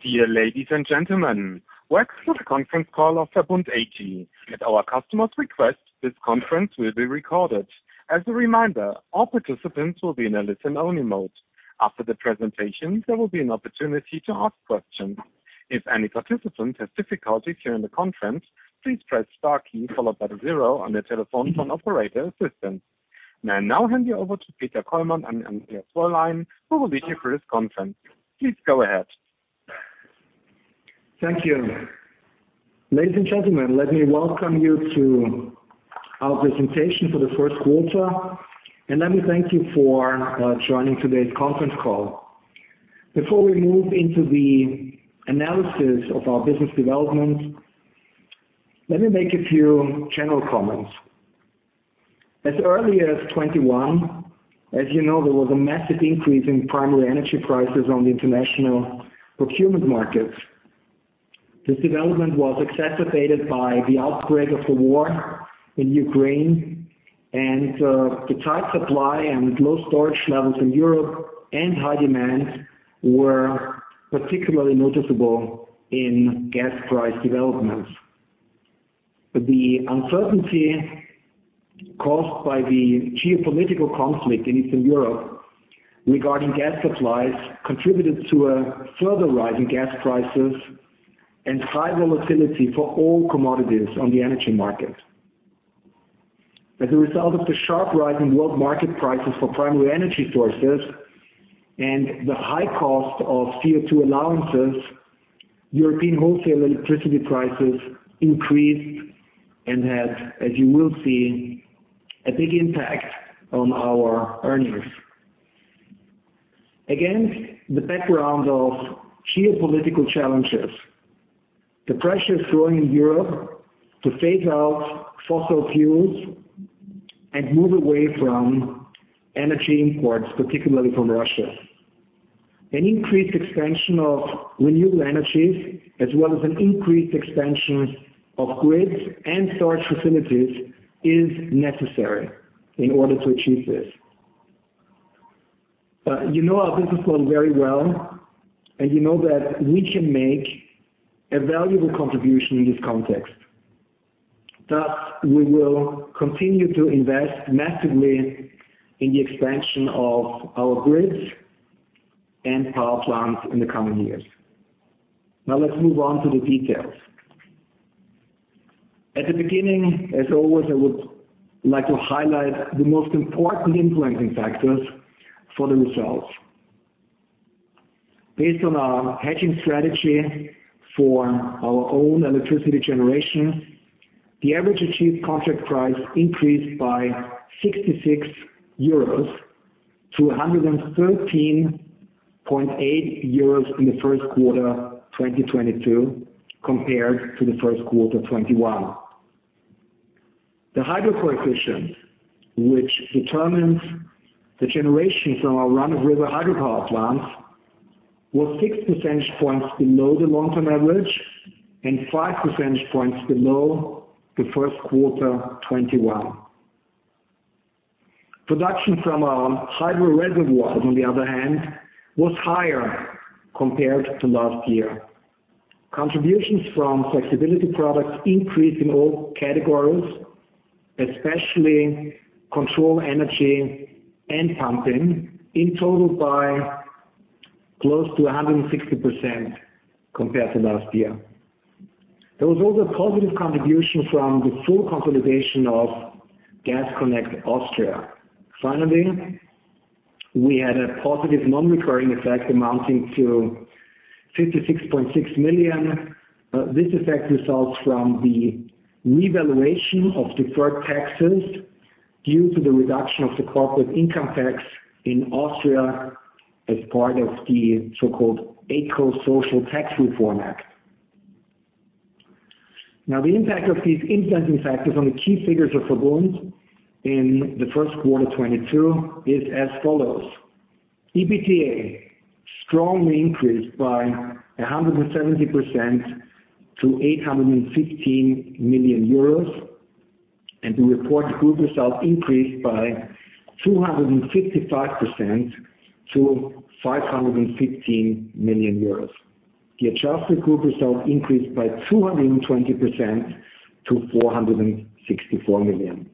Dear ladies and gentlemen, welcome to the conference call of VERBUND AG. At our customer's request, this conference will be recorded. As a reminder, all participants will be in a listen-only mode. After the presentation, there will be an opportunity to ask questions. If any participant has difficulties during the conference, please press star key followed by the zero on your telephone for an operator assistant. May I now hand you over to Peter Kollmann and Andreas Wollein, who will lead you through this conference. Please go ahead. Thank you. Ladies and gentlemen, let me welcome you to our presentation for the first quarter, and let me thank you for joining today's conference call. Before we move into the analysis of our business development, let me make a few general comments. As early as 2021, as you know, there was a massive increase in primary energy prices on the international procurement markets. This development was exacerbated by the outbreak of the war in Ukraine and the tight supply and low storage levels in Europe and high demand were particularly noticeable in gas price developments. The uncertainty caused by the geopolitical conflict in Eastern Europe regarding gas supplies contributed to a further rise in gas prices and high volatility for all commodities on the energy market. As a result of the sharp rise in world market prices for primary energy sources and the high cost of CO2 allowances, European wholesale electricity prices increased and had, as you will see, a big impact on our earnings. Against the background of geopolitical challenges, the pressure is growing in Europe to phase out fossil fuels and move away from energy imports, particularly from Russia. An increased expansion of renewable energies as well as an increased expansion of grids and storage facilities is necessary in order to achieve this. You know our business model very well, and you know that we can make a valuable contribution in this context, thus, we will continue to invest massively in the expansion of our grids and power plants in the coming years. Now let's move on to the details. At the beginning, as always, I would like to highlight the most important influencing factors for the results. Based on our hedging strategy for our own electricity generation, the average achieved contract price increased by 66 euros to 113.8 euros in the first quarter, 2022 compared to the first quarter, 2021. The hydro coefficient, which determines the generations on our run-of-river hydropower plants, was 6 percentage points below the long-term average and 5 percentage points below the first quarter, 2021. Production from our hydro reservoirs, on the other hand, was higher compared to last year. Contributions from flexibility products increased in all categories, especially control energy and pumping, in total by close to 160% compared to last year. There was also a positive contribution from the full consolidation of Gas Connect Austria. Finally, we had a positive non-recurring effect amounting to 56.6 million. This effect results from the revaluation of deferred taxes due to the reduction of the corporate income tax in Austria as part of the so-called Eco-Social Tax Reform Act. Now, the impact of these influencing factors on the key figures of VERBUND in the first quarter 2022 is as follows: EBITDA strongly increased by 170% to 815 million euros, and the reported group results increased by 255% to 515 million euros. The adjusted group results increased by 220% to 464 million.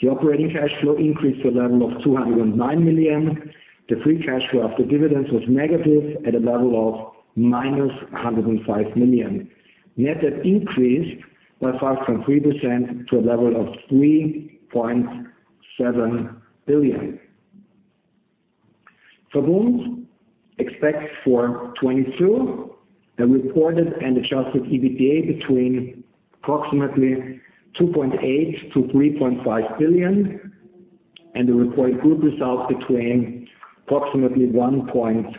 The operating cash flow increased to a level of 209 million. The free cash flow after dividends was negative at a level of -105 million. Net debt increased by 5.3% to a level of 3.7 billion. VERBUND expects for 2022 a reported and Adjusted EBITDA between approximately 2.8 billion-3.5 billion, and a reported group result between approximately 1.55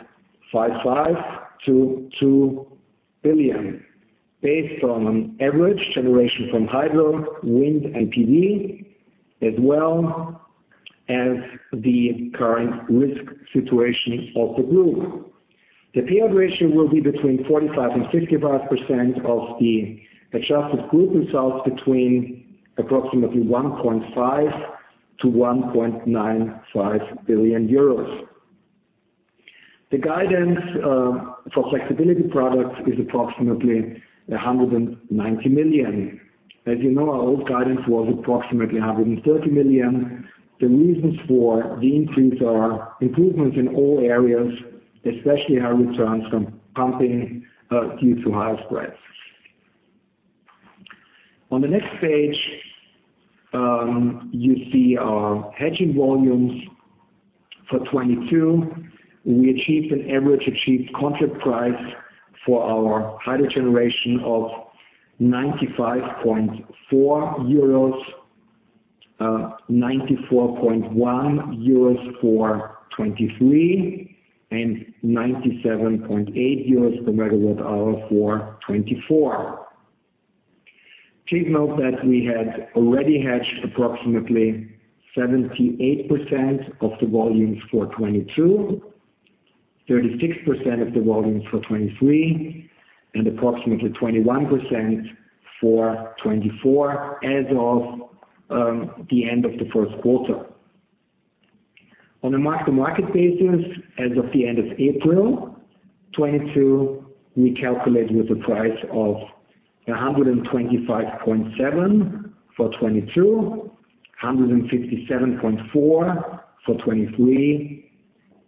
billion-2 billion based on average generation from hydro, wind, and PV, as well as the current risk situation of the group. The payout ratio will be between 45% and 55% of the adjusted group results between approximately 1.5 billion-1.95 billion euros. The guidance for flexibility products is approximately 190 million. As you know, our old guidance was approximately 130 million. The reasons for the increase are improvements in all areas, especially high returns from pumping due to higher spreads. On the next page, you see our hedging volumes for 2022. We achieved an average achieved contract price for our hydro generation of EUR 95.4, 94.1 euros for 2023, and 97.8 euros per megawatt hour for 2024. Please note that we had already hedged approximately 78% of the volumes for 2022, 36% of the volumes for 2023, and approximately 21% for 2024 as of the end of the first quarter. On a mark-to-market basis as of the end of April 2022, we calculate with a price of 125.7 for 2022, 157.4 for 2023,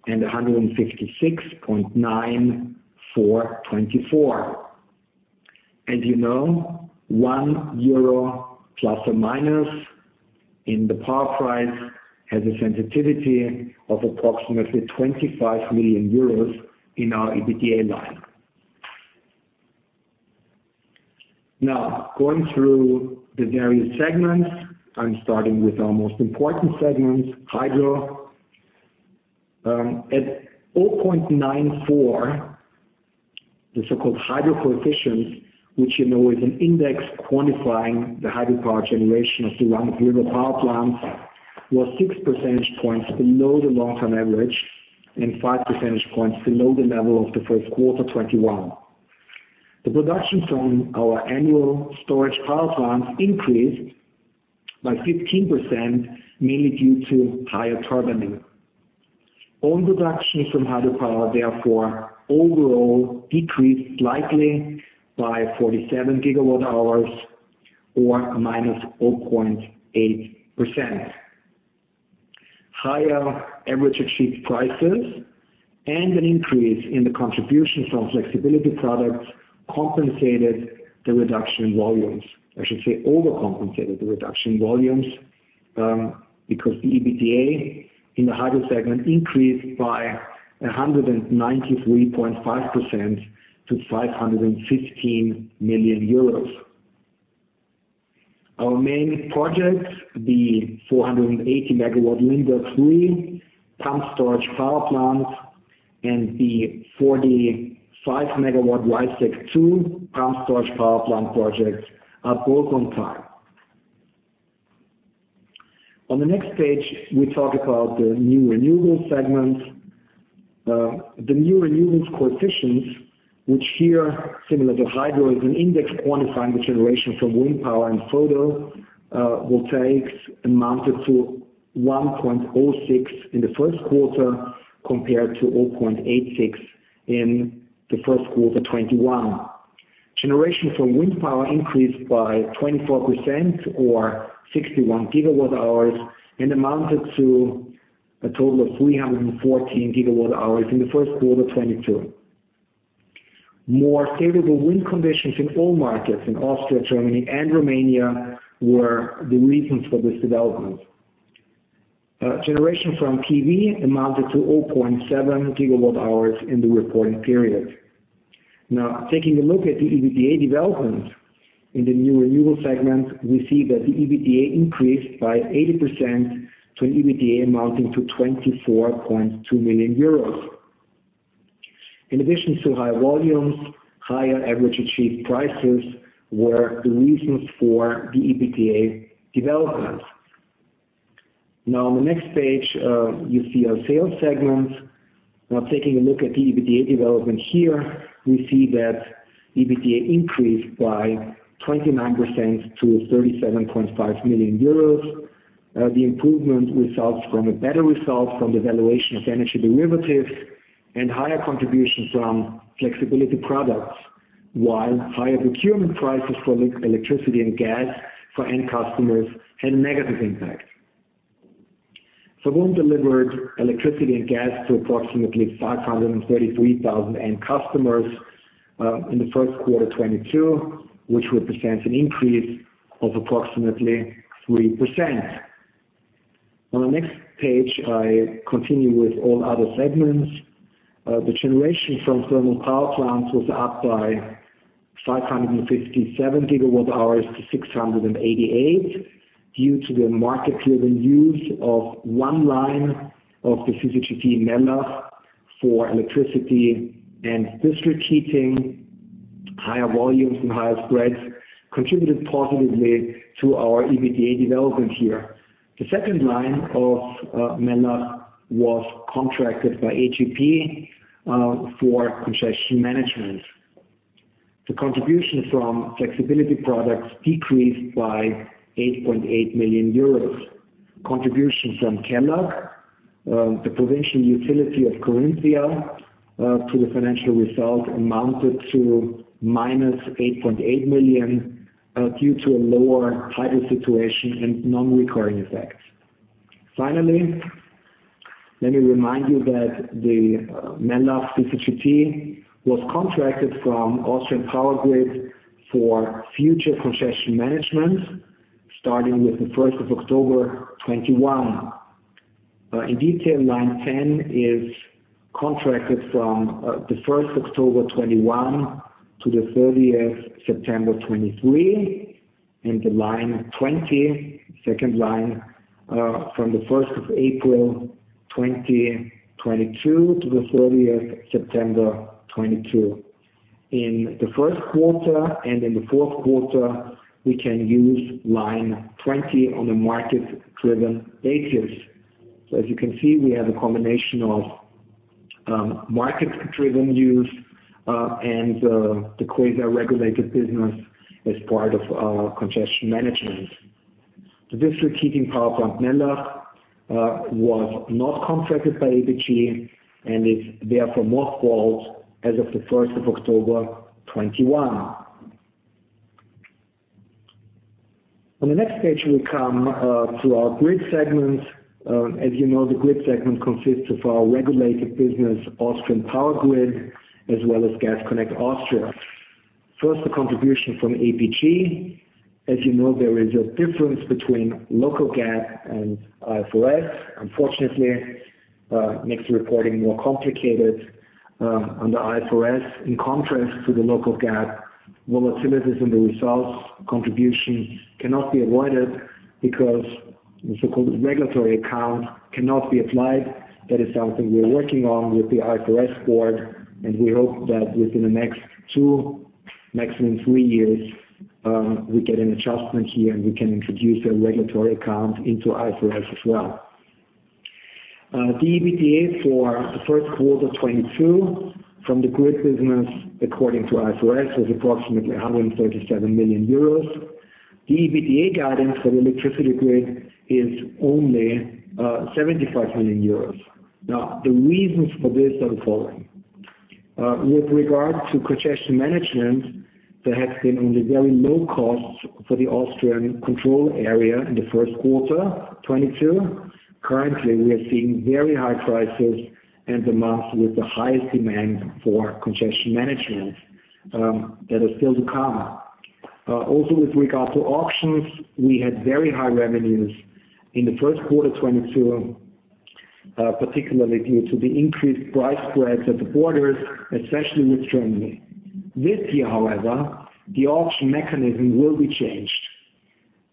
and 156.9 for 2024. You know, 1 euro ± in the power price has a sensitivity of approximately 25 million euros in our EBITDA line. Going through the various segments, I'm starting with our most important segments, hydro. At 0.94, the so-called hydro coefficient, which you know is an index quantifying the hydropower generation of the run-of-river power plants, was 6 percentage points below the long-term average and 5 percentage points below the level of the first quarter 2021. The production from our pumped-storage power plants increased by 15%, mainly due to higher turbining. Own production from hydropower, therefore overall decreased slightly by 47 GWh or -0.8%. Higher average achieved prices and an increase in the contribution from flexibility products compensated the reduction in volumes. I should say, overcompensated the reduction in volumes, because the EBITDA in the hydro segment increased by 193.5% to EUR 515 million. Our main projects, the 480 MW Limberg 3 pumped-storage power plant, and the 45 MW Reißeck II+ pumped-storage power plant projects are both on time. On the next page, we talk about the new renewables segments. The new renewables coefficient, which, similar to hydro, is an index quantifying the generation from wind power and photovoltaics, amounted to 1.06 in the first quarter compared to 0.86 in the first quarter 2021. Generation from wind power increased by 24% or 61 GWh and amounted to a total of 314 GWh in the first quarter 2022. More favorable wind conditions in all markets in Austria, Germany and Romania were the reasons for this development. Generation from PV amounted to 0.7 GWh in the reporting period. Now, taking a look at the EBITDA development in the new renewable segment, we see that the EBITDA increased by 80% to an EBITDA amounting to 24.2 million euros. In addition to higher volumes, higher average achieved prices were the reasons for the EBITDA development. Now on the next page, you see our sales segment. Now taking a look at the EBITDA development here, we see that EBITDA increased by 29% to 37.5 million euros. The improvement results from a better result from the valuation of energy derivatives and higher contributions from flexibility products. While higher procurement prices for electricity and gas for end customers had negative impact. VERBUND delivered electricity and gas to approximately 533,000 end customers in the first quarter 2022, which represents an increase of approximately 3%. On the next page, I continue with all other segments. The generation from thermal power plants was up by 557 GWh to 688 GWh due to the market-driven use of one line of the CCGT Mellach for electricity and district heating. Higher volumes and higher spreads contributed positively to our EBITDA development here. The second line of Mellach was contracted by APG for congestion management. The contribution from flexibility products decreased by 8.8 million euros. Contributions from KELAG, the provincial utility of Carinthia, to the financial result amounted to -8.8 million due to a lower hydro situation and non-recurring effects. Finally, let me remind you that the Mellach CCGT was contracted from Austrian Power Grid for future congestion management, starting with 1st October, 2021. In detail, line 10 is contracted from the1st October 2021 to the 30th September 2023, and the line 20, second line, from the first of April 2022 to the thirtieth September 2022. In the first quarter and in the fourth quarter, we can use line 20 on a market-driven basis. As you can see, we have a combination of market-driven use and the quasi-regulated business as part of our concession management. The district heating power plant Mellach was not contracted by APG and is therefore mothballed as of the first of October 2021. On the next page, we come to our Grid segment. As you know, the Grid segment consists of our regulated business, Austrian Power Grid, as well as Gas Connect Austria. First, the contribution from APG. As you know, there is a difference between local GAAP and IFRS. Unfortunately, makes the reporting more complicated, on the IFRS. In contrast to the local GAAP, volatilities in the results contribution cannot be avoided because the so-called regulatory account cannot be applied. That is something we are working on with the IASB, and we hope that within the next two, maximum three years, we get an adjustment here, and we can introduce a regulatory account into IFRS as well. The EBITDA for the first quarter 2022 from the Grid business according to IFRS was approximately 137 million euros. The EBITDA guidance for the electricity grid is only, 75 million euros. Now, the reasons for this are the following. With regard to concession management, there has been only very low costs for the Austrian control area in the first quarter 2022. Currently, we are seeing very high prices and the months with the highest demand for concession management that are still to come. Also with regard to auctions, we had very high revenues in the first quarter 2022, particularly due to the increased price spreads at the borders, especially with Germany. This year, however, the auction mechanism will be changed.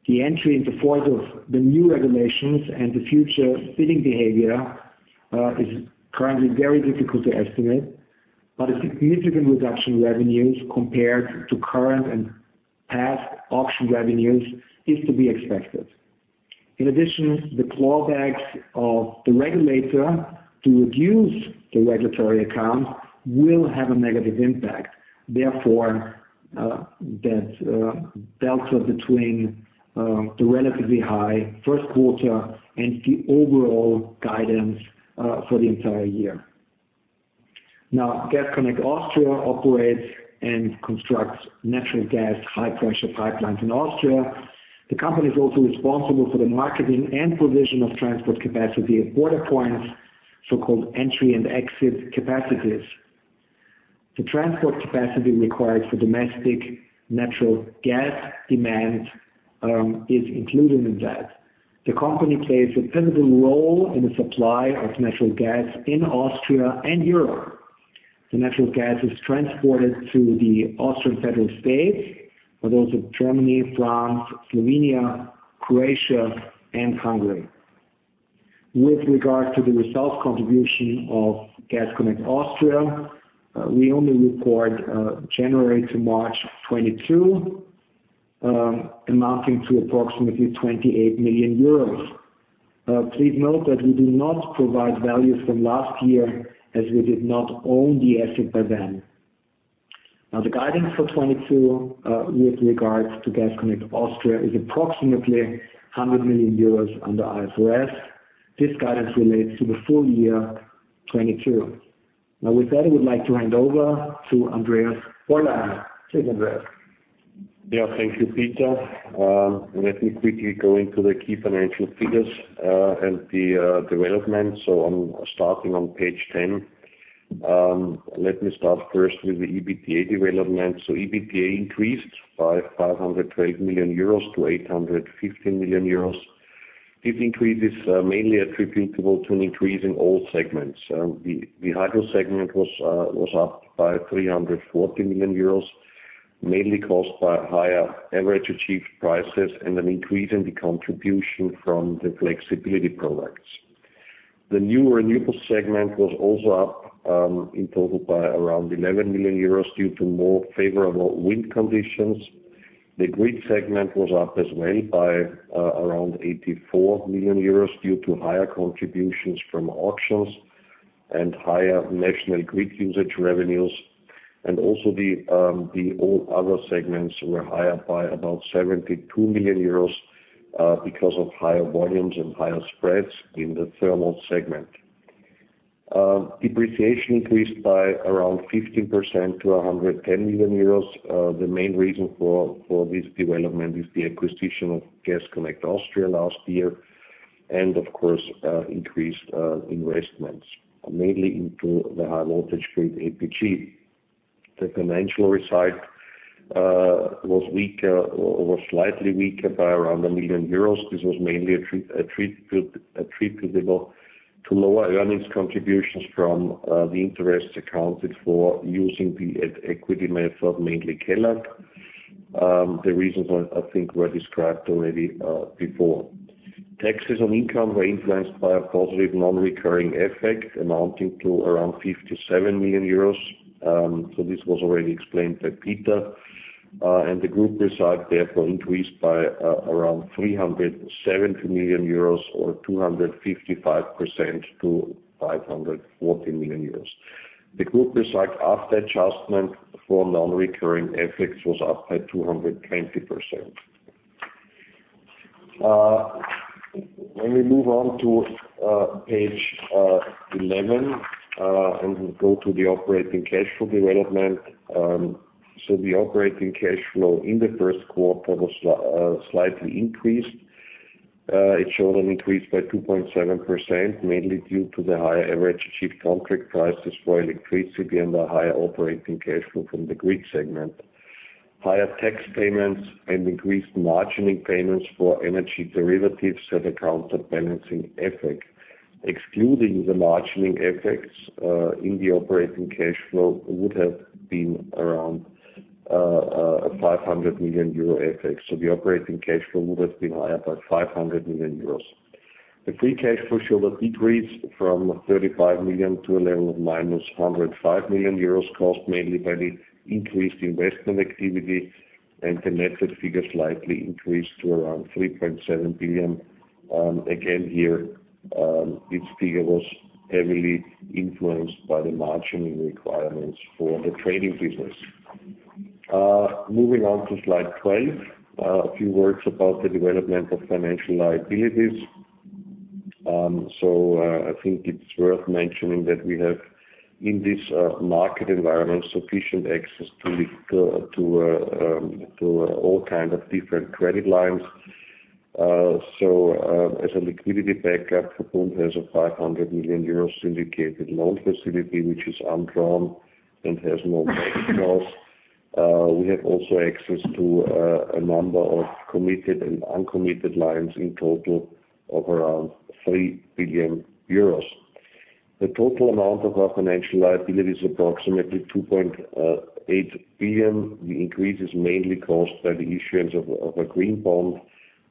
The entry into force of the new regulations and the future bidding behavior is currently very difficult to estimate, but a significant reduction in revenues compared to current and past auction revenues is to be expected. In addition, the clawbacks of the regulator to reduce the regulatory account will have a negative impact. Therefore, that delta between the relatively high first quarter and the overall guidance for the entire year. Gas Connect Austria operates and constructs natural gas high pressure pipelines in Austria. The company is also responsible for the marketing and provision of transport capacity at border points, so-called entry and exit capacities. The transport capacity required for domestic natural gas demand is included in that. The company plays a pivotal role in the supply of natural gas in Austria and Europe. The natural gas is transported to the Austrian federal states, but also Germany, France, Slovenia, Croatia and Hungary. With regard to the results contribution of Gas Connect Austria, we only report January to March 2022, amounting to approximately 28 million euros. Please note that we do not provide values from last year, as we did not own the asset by then. The guidance for 2022 with regards to Gas Connect Austria is approximately 100 million euros under IFRS. This guidance relates to the full year 2022. With that, I would like to hand over to Andreas Wollein. Please, Andreas. Yeah. Thank you, Peter. Let me quickly go into the key financial figures and the development. I'm starting on page 10. Let me start first with the EBITDA development. EBITDA increased by 512 million euros to 815 million euros. This increase is mainly attributable to an increase in all segments. The Hydro segment was up by 340 million euros, mainly caused by higher average achieved prices and an increase in the contribution from the flexibility products. The new Renewables segment was also up in total by around 11 million euros due to more favorable wind conditions. The Grid segment was up as well by around 84 million euros due to higher contributions from auctions and higher national grid usage revenues, and also all other segments were higher by about 72 million euros because of higher volumes and higher spreads in the thermal segment. Depreciation increased by around 15% to 110 million euros. The main reason for this development is the acquisition of Gas Connect Austria last year, and of course, increased investments, mainly into the high voltage grid APG. The financial result was weaker or slightly weaker by around 1 million euros. This was mainly attributable to lower earnings contributions from the interest accounted for using the equity method, mainly KELAG. The reasons were, I think, described already before. Taxes on income were influenced by a positive non-recurring effect amounting to around 57 million euros. This was already explained by Peter Kollmann. The group results therefore increased by around 370 million euros or 255% to 540 million euros. The group results after adjustment for non-recurring effects was up by 220%. When we move on to page 11 and we go to the operating cash flow development. The operating cash flow in the first quarter was slightly increased. It showed an increase by 2.7%, mainly due to the higher average spot contract prices for electricity and the higher operating cash flow from the Grid segment. Higher tax payments and increased margining payments for energy derivatives have had a balancing effect. Excluding the margining effects, in the operating cash flow would have been around a 500 million euro effect. The operating cash flow would have been higher by 500 million euros. The free cash flow showed a decrease from 35 million to a level of -105 million euros, caused mainly by the increased investment activity, and the net debt figure slightly increased to around 3.7 billion. Again, here, this figure was heavily influenced by the margining requirements for the trading business. Moving on to slide 12, a few words about the development of financial liabilities. I think it's worth mentioning that we have, in this market environment, sufficient access to liquidity, to all kinds of different credit lines. As a liquidity backup, VERBUND has a 500 million euro syndicated loan facility, which is undrawn and has no maturities. We have also access to a number of committed and uncommitted lines in total of around 3 billion euros. The total amount of our financial liability is approximately 2.8 billion. The increase is mainly caused by the issuance of a green bond,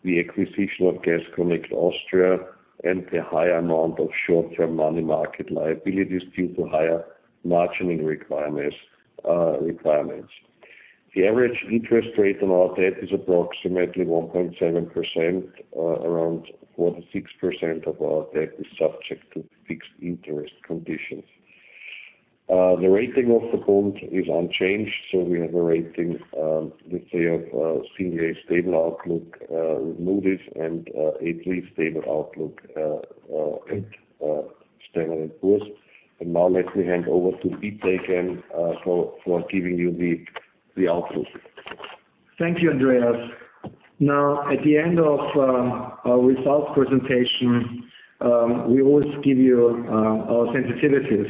the acquisition of Gas Connect Austria, and the high amount of short-term money market liabilities due to higher margining requirements. The average interest rate on our debt is approximately 1.7%, around 46% of our debt is subject to fixed interest conditions. The rating of VERBUND is unchanged, so we have a rating, let's say of senior stable outlook, Moody's and S&P stable outlook, and stable and boost. Now let me hand over to Pete again, for giving you the outlook. Thank you, Andreas. Now, at the end of our results presentation, we always give you our sensitivities.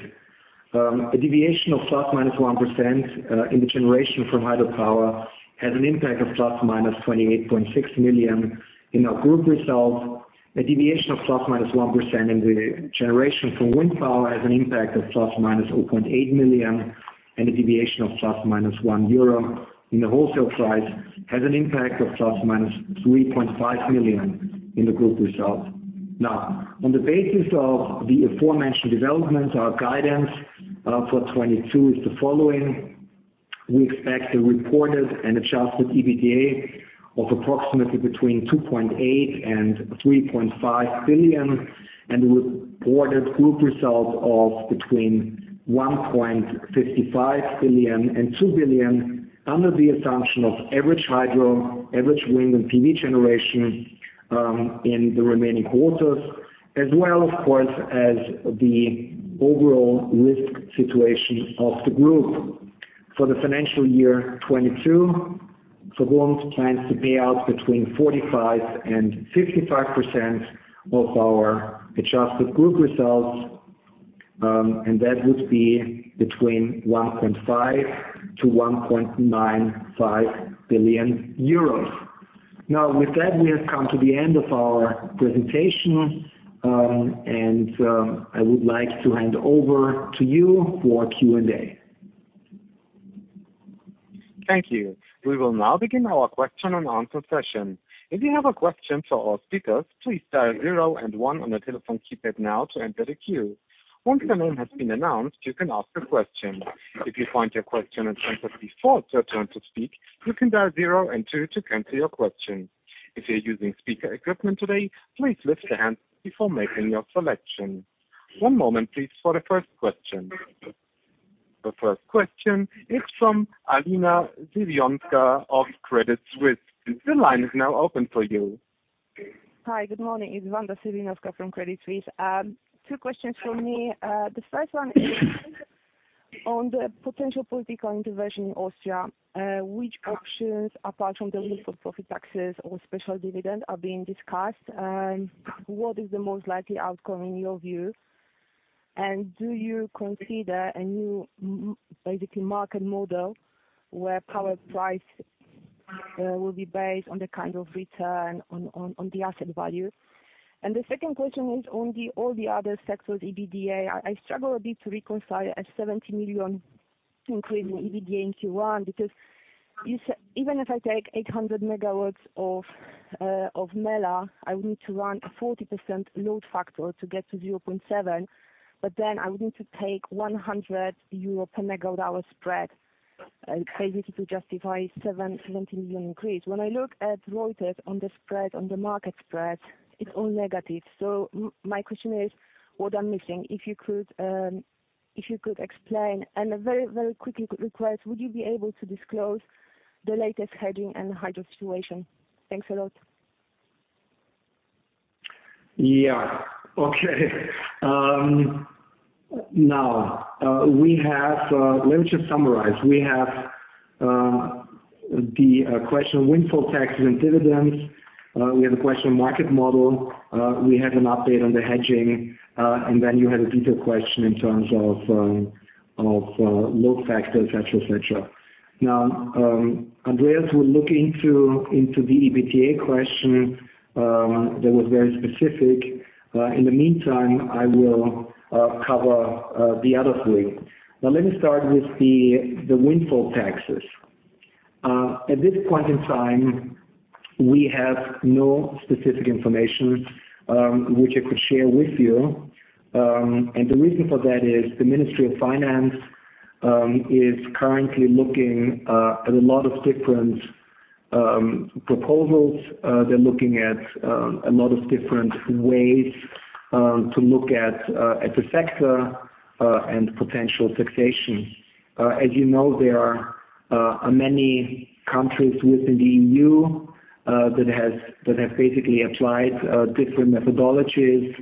A deviation of ±1% in the generation from hydropower has an impact of ±28.6 million in our group results. A deviation of ±1% in the generation from wind power has an impact of ±0.8 million, and a deviation of ±1 euro in the wholesale price has an impact of ±3.5 million in the group results. Now, on the basis of the aforementioned developments, our guidance for 2022 is the following. We expect a reported and adjusted EBITDA of approximately between 2.8 billion and 3.5 billion, and reported group results of between 1.55 billion and 2 billion under the assumption of average hydro, average wind and PV generation, in the remaining quarters, as well, of course, as the overall risk situation of the group. For the financial year 2022, VERBUND plans to pay out between 45% and 65% of our adjusted group results, and that would be between 1.5 billion -1.95 billion euros. Now, with that, we have come to the end of our presentation, and I would like to hand over to you for Q&A. Thank you. We will now begin our question and answer session. If you have a question for our speakers, please dial zero and one on your telephone keypad now to enter the queue. Once your name has been announced, you can ask a question. If you find your question has been put before your turn to speak, you can dial zero and two to cancel your question. If you're using speaker equipment today, please lift a hand before making your selection. One moment please, for the first question. The first question is from Wanda Serwinowska of Credit Suisse. The line is now open for you. Hi, good morning. It's Wanda Serwinowska from Credit Suisse. Two questions for me. The first one is on the potential political intervention in Austria. Which options apart from the levy on profit taxes or special dividend are being discussed? And what is the most likely outcome in your view? And do you consider a new basically market model where power price will be based on the kind of return on the asset value? And the second question is on all the other sectors EBITDA. I struggle a bit to reconcile a 70 million increase in EBITDA in Q1, because even if I take 800 MW of Mellach, I would need to run a 40% load factor to get to 0.7. I would need to take 100 euro per megawatt hour spread, basically to justify 70 million increase. When I look at Reuters on the spread, on the market spread, it's all negative. My question is, what I'm missing, if you could explain and a very, very quick request, would you be able to disclose the latest hedging and hydro situation? Thanks a lot. Let me just summarize. We have the question windfall taxes and dividends. We have a question on market model. We have an update on the hedging. Then you had a detailed question in terms of load factors, et cetera, et cetera. Now, Andreas will look into the EBITDA question that was very specific. In the meantime, I will cover the other three. Now let me start with the windfall taxes. At this point in time, we have no specific information which I could share with you. The reason for that is the Ministry of Finance is currently looking at a lot of different proposals. They're looking at a lot of different ways to look at the sector and potential taxation. As you know, there are many countries within the EU that have basically applied different methodologies.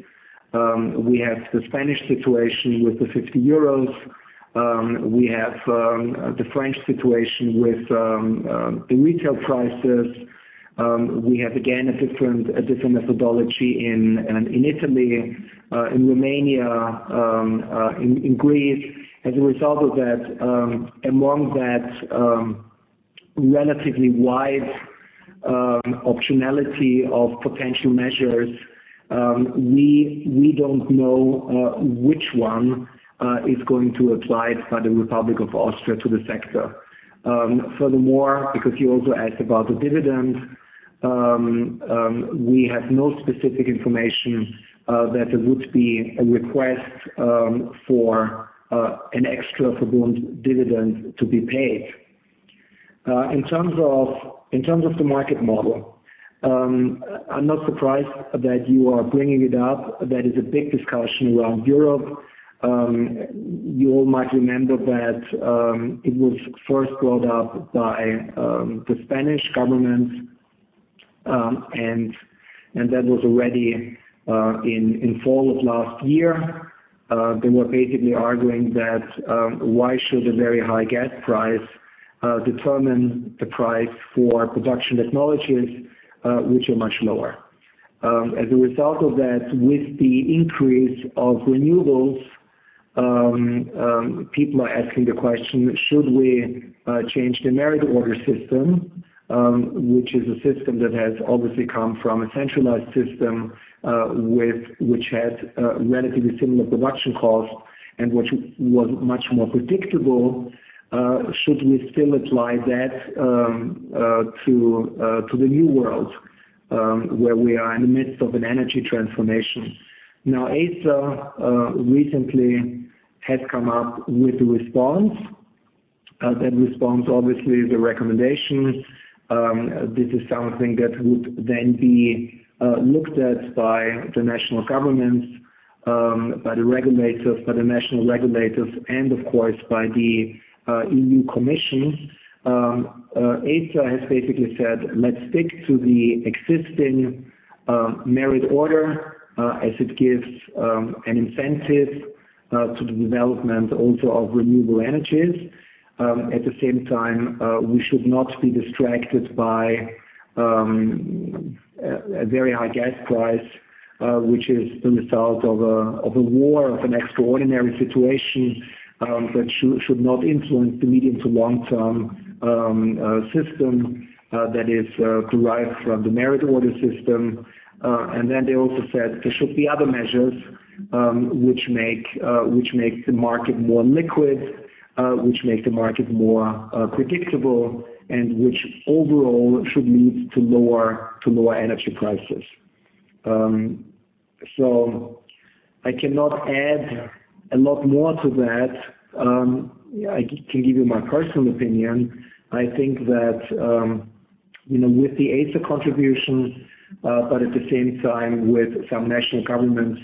We have the Spanish situation with the 50 euros. We have the French situation with the retail prices. We have again a different methodology in Italy, in Romania, in Greece. As a result of that, among that relatively wide optionality of potential measures, we don't know which one is going to apply by the Republic of Austria to the sector. Furthermore, because you also asked about the dividend, we have no specific information that there would be a request for an extra VERBUND dividend to be paid. In terms of the market model, I'm not surprised that you are bringing it up. That is a big discussion around Europe. You all might remember that it was first brought up by the Spanish government, and that was already in fall of last year. They were basically arguing that why should a very high gas price determine the price for production technologies which are much lower. As a result of that, with the increase of renewables, people are asking the question, should we change the merit order system? Which is a system that has obviously come from a centralized system, which has relatively similar production costs and which was much more predictable. Should we still apply that to the new world where we are in the midst of an energy transformation? Now, ACER recently has come up with a response. That response, obviously, the recommendations, this is something that would then be looked at by the national governments, by the regulators, by the national regulators, and of course by the EU Commission. ACER has basically said, "Let's stick to the existing merit order as it gives an incentive to the development also of renewable energies. At the same time, we should not be distracted by a very high gas price, which is the result of a war, of an extraordinary situation, that should not influence the medium to long-term system that is derived from the merit order system. They also said there should be other measures, which make the market more liquid, which make the market more predictable and which overall should lead to lower energy prices. I cannot add a lot more to that. I can give you my personal opinion. I think that, you know, with the ACER contribution, but at the same time with some national governments,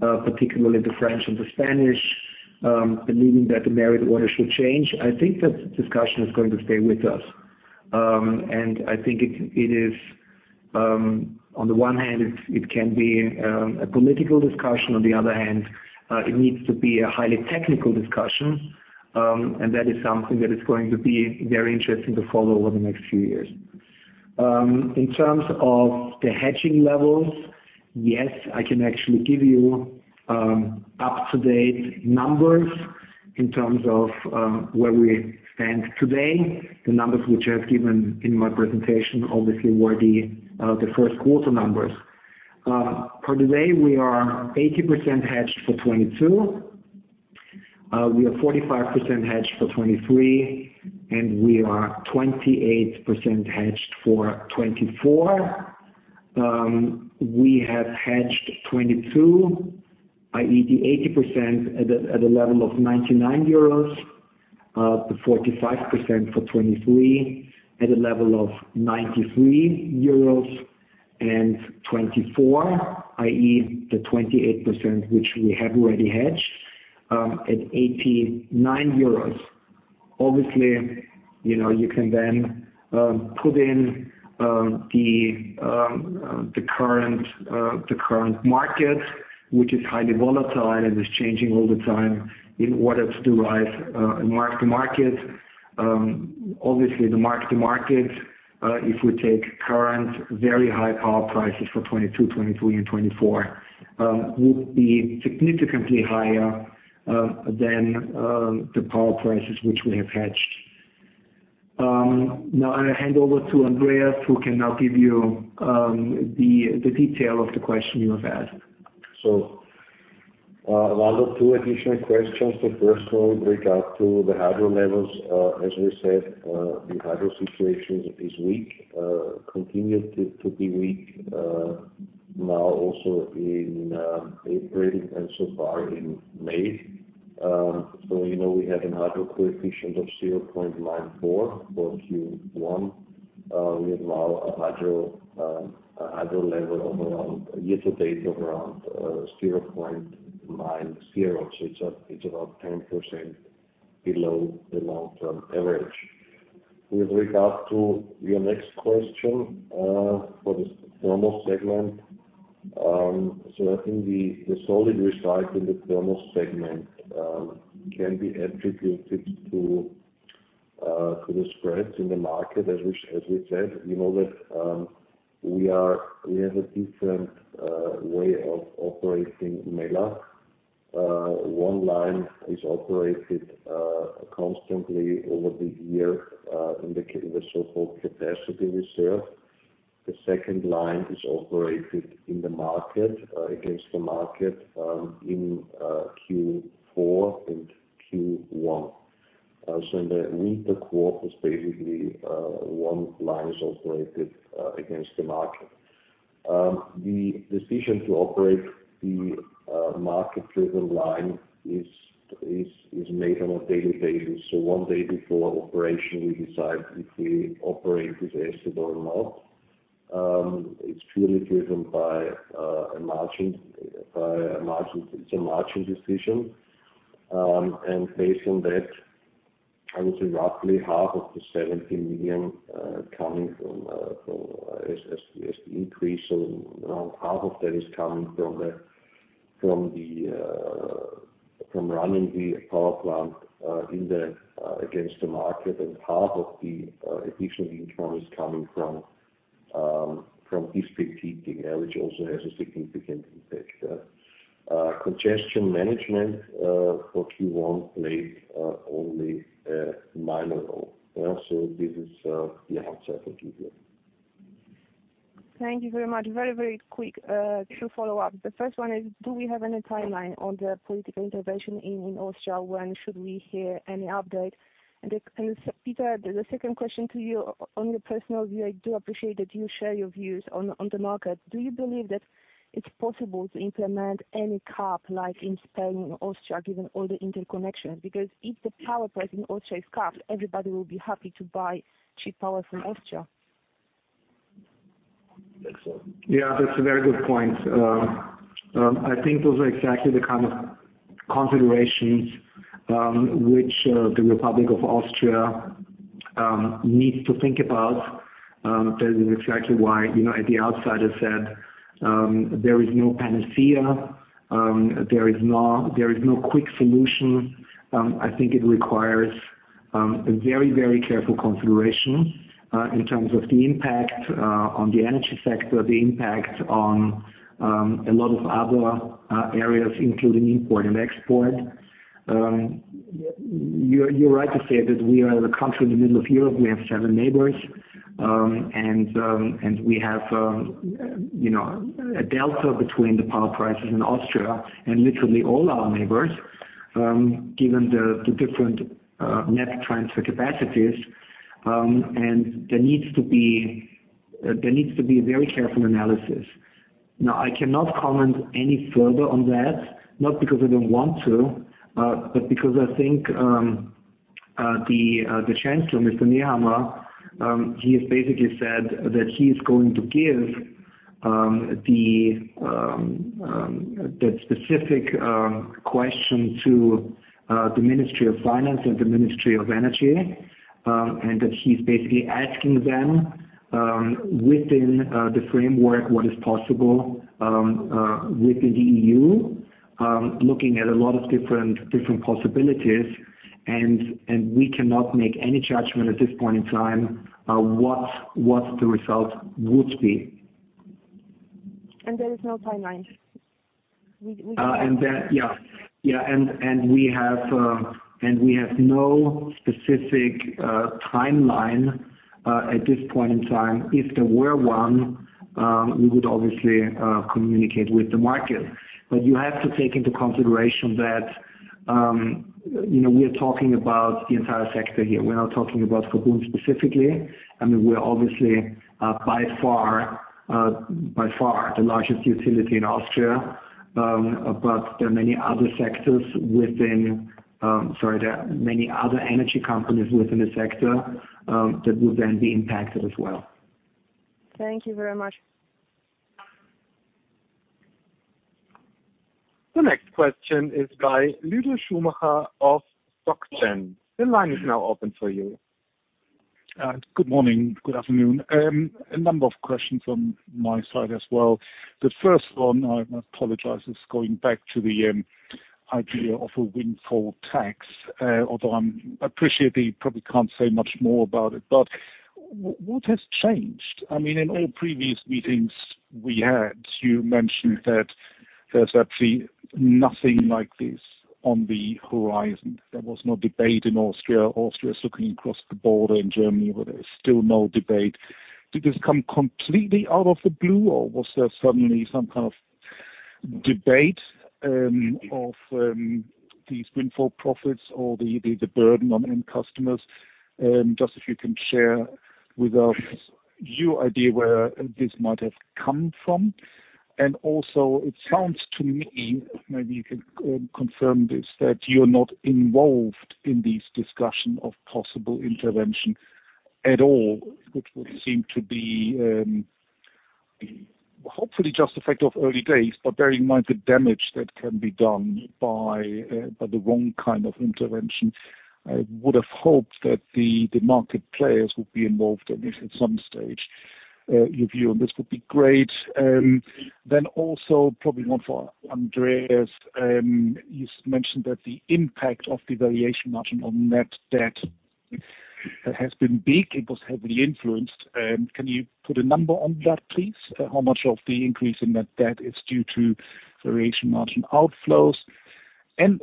particularly the French and the Spanish, believing that the merit order should change, I think that discussion is going to stay with us. I think it is, on the one hand it can be, a political discussion. On the other hand, it needs to be a highly technical discussion, and that is something that is going to be very interesting to follow over the next few years. In terms of the hedging levels, yes, I can actually give you up-to-date numbers in terms of where we stand today. The numbers which I have given in my presentation obviously were the first quarter numbers. For today we are 80% hedged for 2022. We are 45% hedged for 2023, and we are 28% hedged for 2024. We have hedged 2022, i.e., the 80% at a level of 99 euros, the 45% for 2023 at a level of 93 euros and 2024, i.e., the 28% which we have already hedged, at 89 euros. Obviously, you know, you can then put in the current market, which is highly volatile and is changing all the time in what is derived in mark-to-market. Obviously the mark-to-market, if we take current very high power prices for 2022, 2023 and 2024, would be significantly higher than the power prices which we have hedged. Now I hand over to Andreas, who can now give you the detail of the question you have asked. One of two additional questions. The first one with regard to the hydro levels. As we said, the hydro situation is weak, continued to be weak, now also in April and so far in May. We have a hydro coefficient of 0.94 for Q1. We have now a hydro level of around year to date of around 0.90. It's about 10% below the long-term average. With regard to your next question, for this thermal segment. I think the solid result in the thermal segment can be attributed to the spreads in the market. As we said, we have a different way of operating Mellach. One line is operated constantly over the year in the so-called capacity reserve. The second line is operated in the market against the market in Q4 and Q1. In the winter quarter basically one line is operated against the market. The decision to operate the market-driven line is made on a daily basis. One day before operation we decide if we operate this asset or not. It's purely driven by a margin. It's a margin decision. Based on that, I would say roughly half of the 70 million coming from as the increase. Around half of that is coming from running the power plant in against the market. Half of the additional income is coming from district heating, yeah, which also has a significant impact. Congestion management for Q1 played only a minor role. Yeah. This is the answer I can give you. Thank you very much. Very, very quick, two follow-ups. The first one is do we have any timeline on the political intervention in Austria? When should we hear any update? And Peter, the second question to you on your personal view, I do appreciate that you share your views on the market. Do you believe that it's possible to implement any cap like in Spain or Austria, given all the interconnection? Because if the power price in Austria is capped, everybody will be happy to buy cheap power from Austria. Yeah, that's a very good point. I think those are exactly the kind of considerations which the Republic of Austria needs to think about. That is exactly why, you know, at the outset I said, there is no panacea. There is no quick solution. I think it requires a very, very careful consideration in terms of the impact on the energy sector, the impact on a lot of other areas, including import and export. You're right to say that we are the country in the middle of Europe. We have seven neighbors, and we have, you know, a delta between the power prices in Austria and literally all our neighbors. Given the different net transfer capacities, and there needs to be very careful analysis. Now, I cannot comment any further on that, not because I don't want to, but because I think the chancellor, Mr. Nehammer, he has basically said that he is going to give the specific question to the Ministry of Finance and the Ministry of Energy, and that he's basically asking them within the framework, what is possible within the EU, looking at a lot of different possibilities, and we cannot make any judgment at this point in time of what the result would be. There is no timeline? We have no specific timeline at this point in time. If there were one, we would obviously communicate with the market. You have to take into consideration that, you know, we are talking about the entire sector here. We're not talking about VERBUND specifically. I mean, we're obviously by far the largest utility in Austria, but there are many other energy companies within the sector that would then be impacted as well. Thank you very much. The next question is by Ludo Schumacher of Raymond James. The line is now open for you. Good morning, good afternoon. A number of questions from my side as well. The first one, I apologize, is going back to the idea of a windfall tax, although I appreciate that you probably can't say much more about it. What has changed? I mean, in all previous meetings we had, you mentioned that there's actually nothing like this on the horizon. There was no debate in Austria. Austria is looking across the border in Germany, where there is still no debate. Did this come completely out of the blue, or was there suddenly some kind of debate of these windfall profits or the burden on end customers? Just if you can share with us your idea where this might have come from. It sounds to me, maybe you can confirm this, that you're not involved in this discussion of possible intervention at all, which would seem to be hopefully just effect of early days, but bearing in mind the damage that can be done by the wrong kind of intervention. I would have hoped that the market players would be involved in this at some stage. Your view on this would be great. Probably one for Andreas, you mentioned that the impact of the variation margin on net debt has been big. It was heavily influenced. Can you put a number on that, please? How much of the increase in net debt is due to variation margin outflows?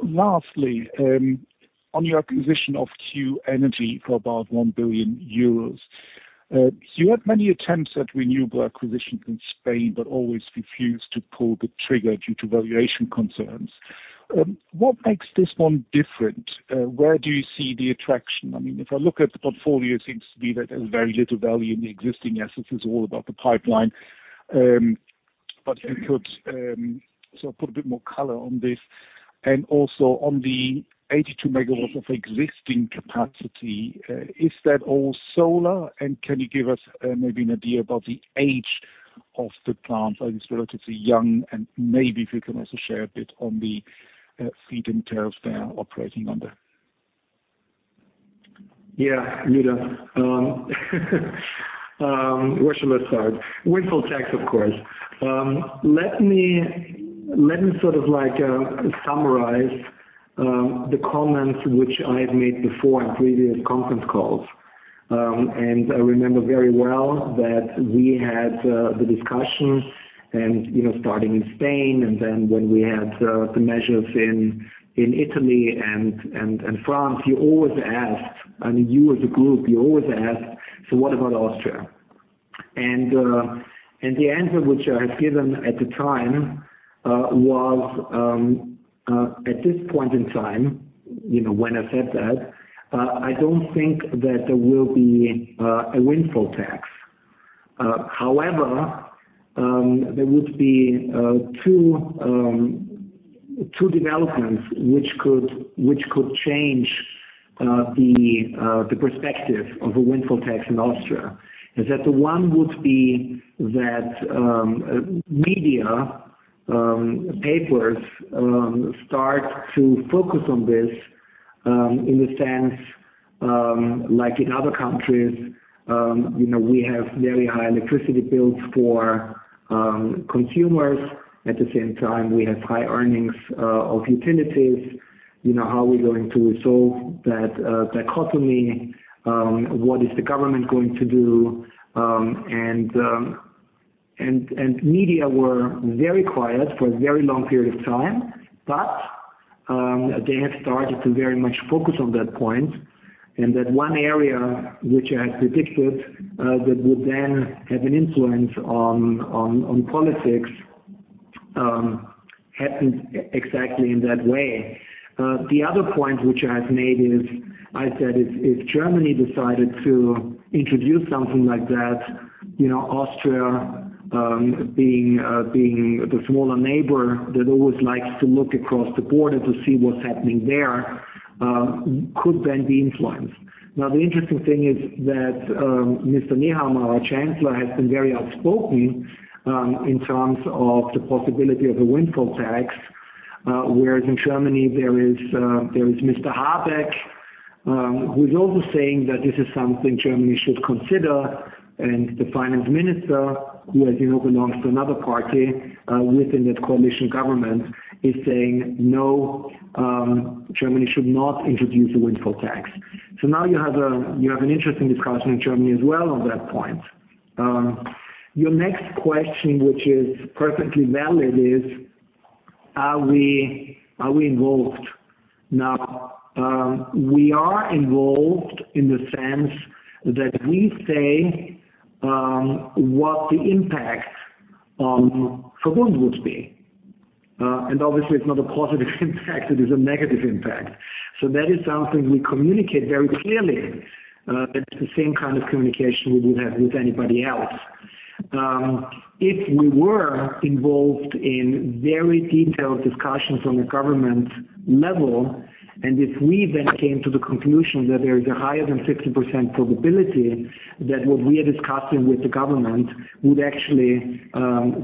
Lastly, on your acquisition of Q-Energy for about 1 billion euros, you had many attempts at renewable acquisition in Spain, but always refused to pull the trigger due to valuation concerns. What makes this one different? Where do you see the attraction? I mean, if I look at the portfolio, it seems to be that there's very little value in the existing assets. It's all about the pipeline. But if you could sort of put a bit more color on this, and also on the 82 MW of existing capacity, is that all solar? And can you give us maybe an idea about the age of the plant? Are these relatively young? And maybe if you can also share a bit on the feed-in tariffs they are operating under. Yeah. Ludo, where shall I start? Windfall tax, of course. Let me sort of like summarize the comments which I have made before in previous conference calls. I remember very well that we had the discussions and, you know, starting in Spain, and then when we had the measures in Italy and France, you always asked, I mean, you as a group, So what about Austria? The answer which I had given at the time was, at this point in time, you know, when I said that, I don't think that there will be a windfall tax. However, there would be two developments which could change the perspective of a windfall tax in Austria. Is that the one would be that media papers start to focus on this in the sense like in other countries you know we have very high electricity bills for consumers. At the same time we have high earnings of utilities. You know how are we going to resolve that dichotomy? What is the government going to do? Media were very quiet for a very long period of time but they have started to very much focus on that point. That one area which I had predicted that would then have an influence on politics happened exactly in that way. The other point which I have made is I said if Germany decided to introduce something like that, you know, Austria, being the smaller neighbor that always likes to look across the border to see what's happening there, could then be influenced. Now, the interesting thing is that, Mr. Nehammer, our chancellor, has been very outspoken in terms of the possibility of a windfall tax. Whereas in Germany there is Mr. Habeck, who is also saying that this is something Germany should consider. The finance minister, who as you know belongs to another party within that coalition government, is saying, No, Germany should not introduce a windfall tax. Now you have an interesting discussion in Germany as well on that point. Your next question, which is perfectly valid, is are we involved? Now, we are involved in the sense that we say what the impact on VERBUND would be. Obviously it's not a positive impact, it is a negative impact. That is something we communicate very clearly. That's the same kind of communication we would have with anybody else. If we were involved in very detailed discussions on the government level, and if we then came to the conclusion that there is a higher than 60% probability that what we are discussing with the government would actually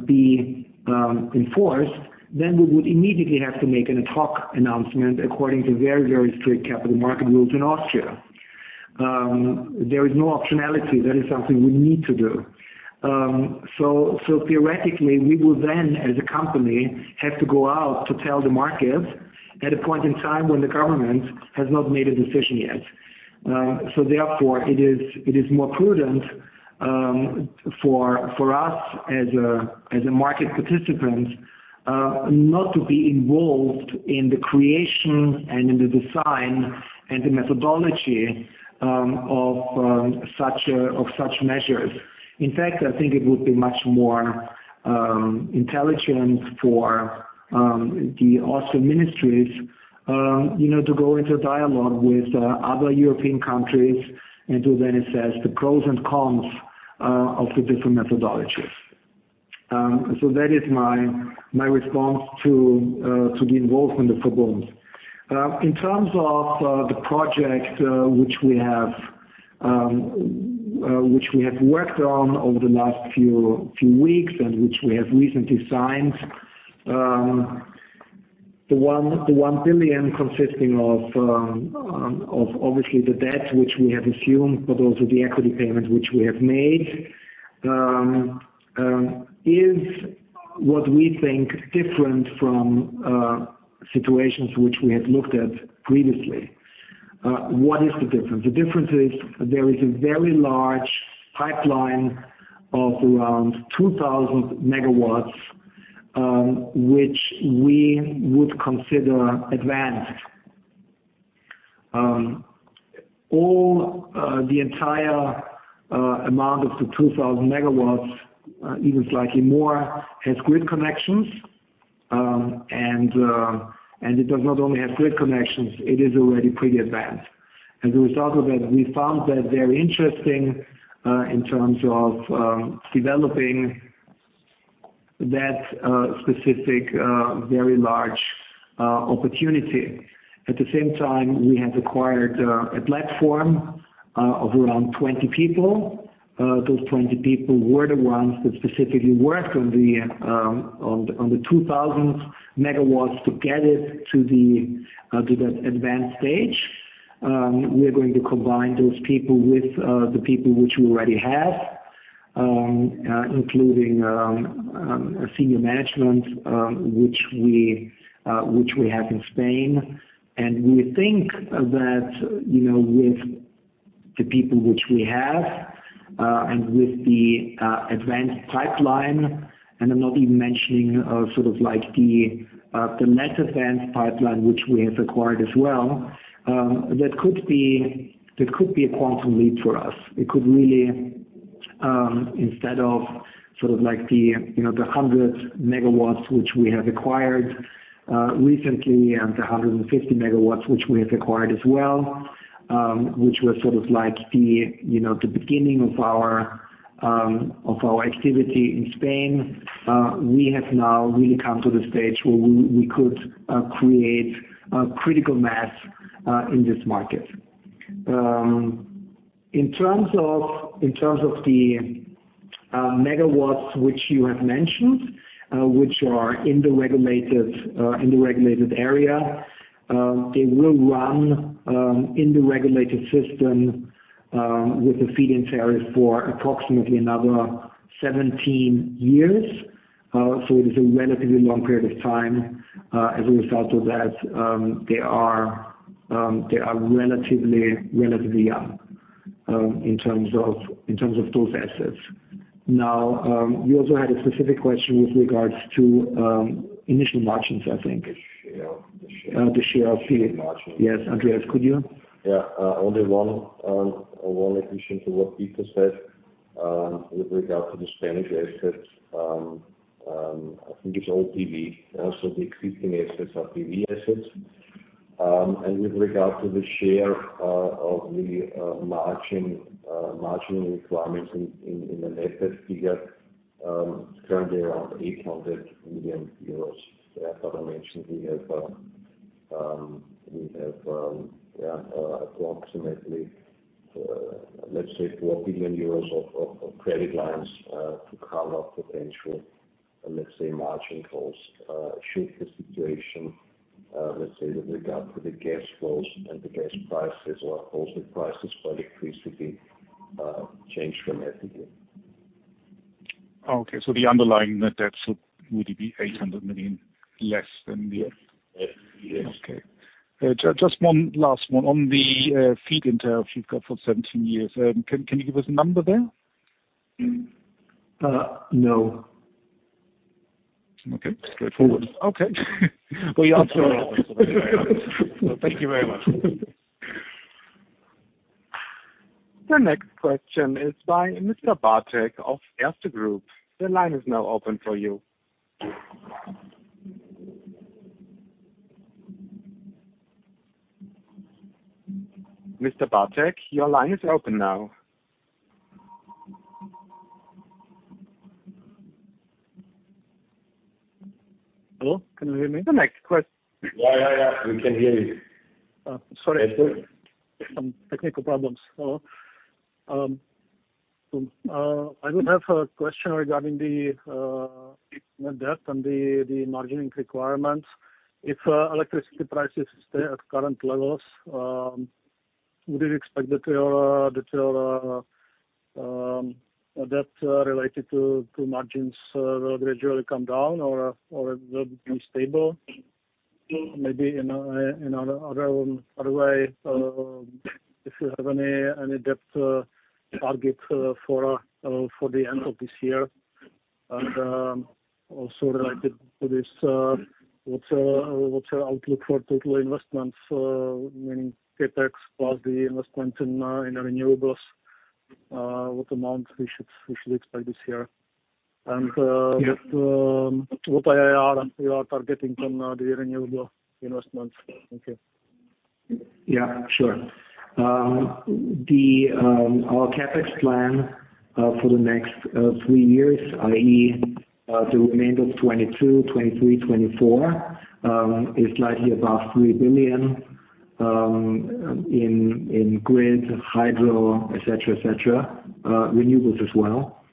be enforced, then we would immediately have to make an ad hoc announcement according to very, very strict capital market rules in Austria. There is no optionality. That is something we need to do. Theoretically, we will then as a company have to go out to tell the markets at a point in time when the government has not made a decision yet. Therefore it is more prudent for us as a market participant not to be involved in the creation and in the design and the methodology of such measures. In fact, I think it would be much more intelligent for the Austrian ministries, you know, to go into a dialogue with other European countries and to then assess the pros and cons of the different methodologies. That is my response to the involvement of VERBUND. In terms of the project which we have worked on over the last few weeks and which we have recently signed, 1 billion consisting of obviously the debt which we have assumed, but also the equity payment which we have made, is what we think different from situations which we have looked at previously. What is the difference? The difference is there is a very large pipeline of around 2,000 MW which we would consider advanced. All the entire amount of the 2,000 MW, even slightly more, has grid connections. It does not only have grid connections, it is already pretty advanced. As a result of that, we found that very interesting, in terms of developing that specific very large opportunity. At the same time, we have acquired a platform of around 20 people. Those 20 people were the ones that specifically worked on the 2,000 MW to get it to that advanced stage. We are going to combine those people with the people which we already have, including senior management, which we have in Spain. We think that, you know, with the people which we have, and with the advanced pipeline, and I'm not even mentioning sort of like the less advanced pipeline which we have acquired as well, that could be a quantum leap for us. It could really, instead of sort of like the, you know, the 100 MW which we have acquired recently and the 150 MW which we have acquired as well, which were sort of like the, you know, the beginning of our activity in Spain, we have now really come to the stage where we could create critical mass in this market. In terms of the megawatts which you have mentioned, which are in the regulated area, they will run in the regulated system with the feed-in tariff for approximately another 17 years. It is a relatively long period of time. As a result of that, they are relatively in terms of those assets. Now, you also had a specific question with regards to initial margins, I think. The share. The share feed. Yes, Andreas, could you? Only one addition to what Peter Kollmann said with regard to the Spanish assets. I think it's all PV. Also, the existing assets are PV assets. With regard to the share of the margin requirements in the net debt figure, currently around 800 million euros. As Andreas Wollein mentioned, we have approximately, let's say, 4 billion euros of credit lines to cover potential margin calls should the situation with regard to the gas flows and the gas prices or also prices for electricity change dramatically. Okay. The underlying net debt, so would it be 800 million less than the- Yes. Okay. Just one last one. On the feed-in tariff you've got for 17 years, can you give us a number there? No. Okay. Straightforward. Okay. We are sorry. Thank you very much. The next question is by Mr. Bartek of Erste Group. The line is now open for you. Mr. Bartek, your line is open now. Hello, can you hear me? The next ques- Yeah. Yeah. We can hear you. Sorry. Some technical problems. I would have a question regarding the net debt and the margining requirements. If electricity prices stay at current levels, would you expect that your debt related to margins will gradually come down or it will be stable? Maybe in another way, if you have any debt target for the end of this year? Also related to this, what's your outlook for total investments, meaning CapEx plus the investment in renewables, what amount we should expect this year? Yes. What IRR you are targeting from the renewable investments? Thank you. Yeah, sure. Our CapEx plan for the next three years, i.e., the remainder of 2022, 2023, 2024, is slightly above 3 billion in grid, hydro, et cetera. Renewables as well.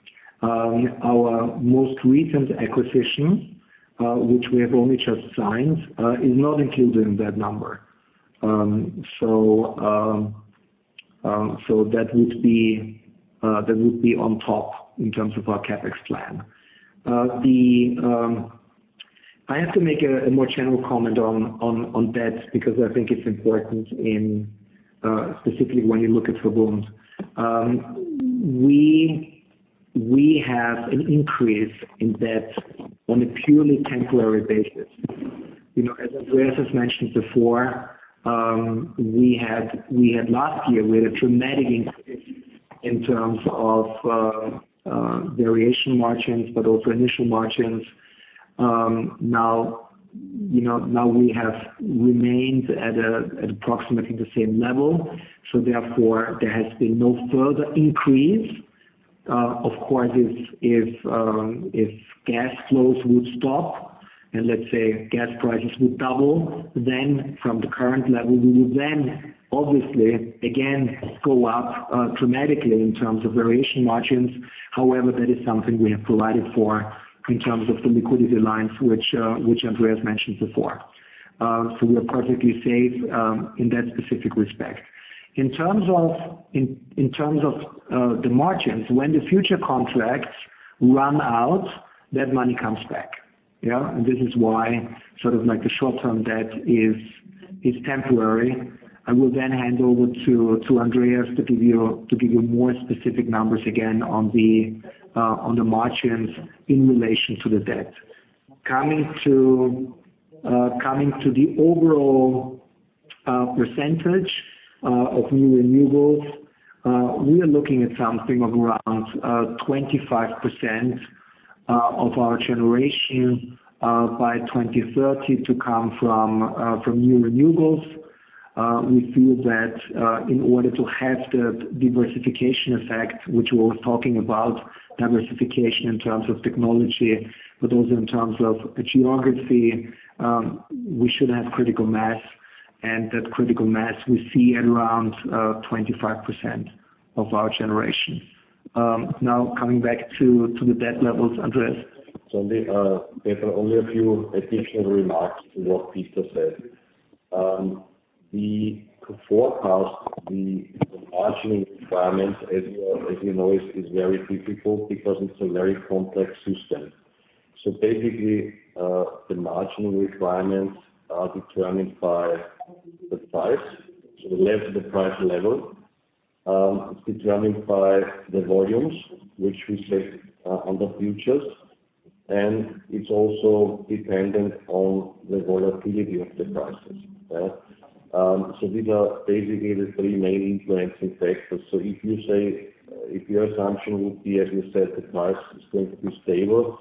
Our most recent acquisition, which we have only just signed, is not included in that number. That would be on top in terms of our CapEx plan. I have to make a more general comment on debt because I think it's important, specifically when you look at VERBUND. We have an increase in debt on a purely temporary basis. You know, as Andreas has mentioned before, we had last year a dramatic increase in terms of variation margins, but also initial margins. Now, you know, now we have remained at approximately the same level, so therefore, there has been no further increase. Of course, if gas flows would stop and let's say gas prices would double, then from the current level, we would then obviously again go up dramatically in terms of variation margins. However, that is something we have provided for in terms of the liquidity lines, which Andreas mentioned before. We are perfectly safe in that specific respect. In terms of the margins, when the futures contracts run out, that money comes back. Yeah. This is why sort of like the short-term debt is temporary. I will then hand over to Andreas to give you more specific numbers again on the margins in relation to the debt. Coming to the overall percentage of new renewables, we are looking at something of around 25% of our generation by 2030 to come from new renewables. We feel that in order to have the diversification effect, which we're talking about diversification in terms of technology, but also in terms of geography, we should have critical mass, and that critical mass we see at around 25% of our generation. Now coming back to the debt levels, Andreas. There are only a few additional remarks to what Peter said. The forecast, the margining requirements, as you know, is very difficult because it's a very complex system. Basically, the margin requirements are determined by the price. The lower the price level, it's determined by the volumes which we set on the futures, and it's also dependent on the volatility of the prices. Yeah. These are basically the three main influencing factors. If your assumption would be, as you said, the price is going to be stable,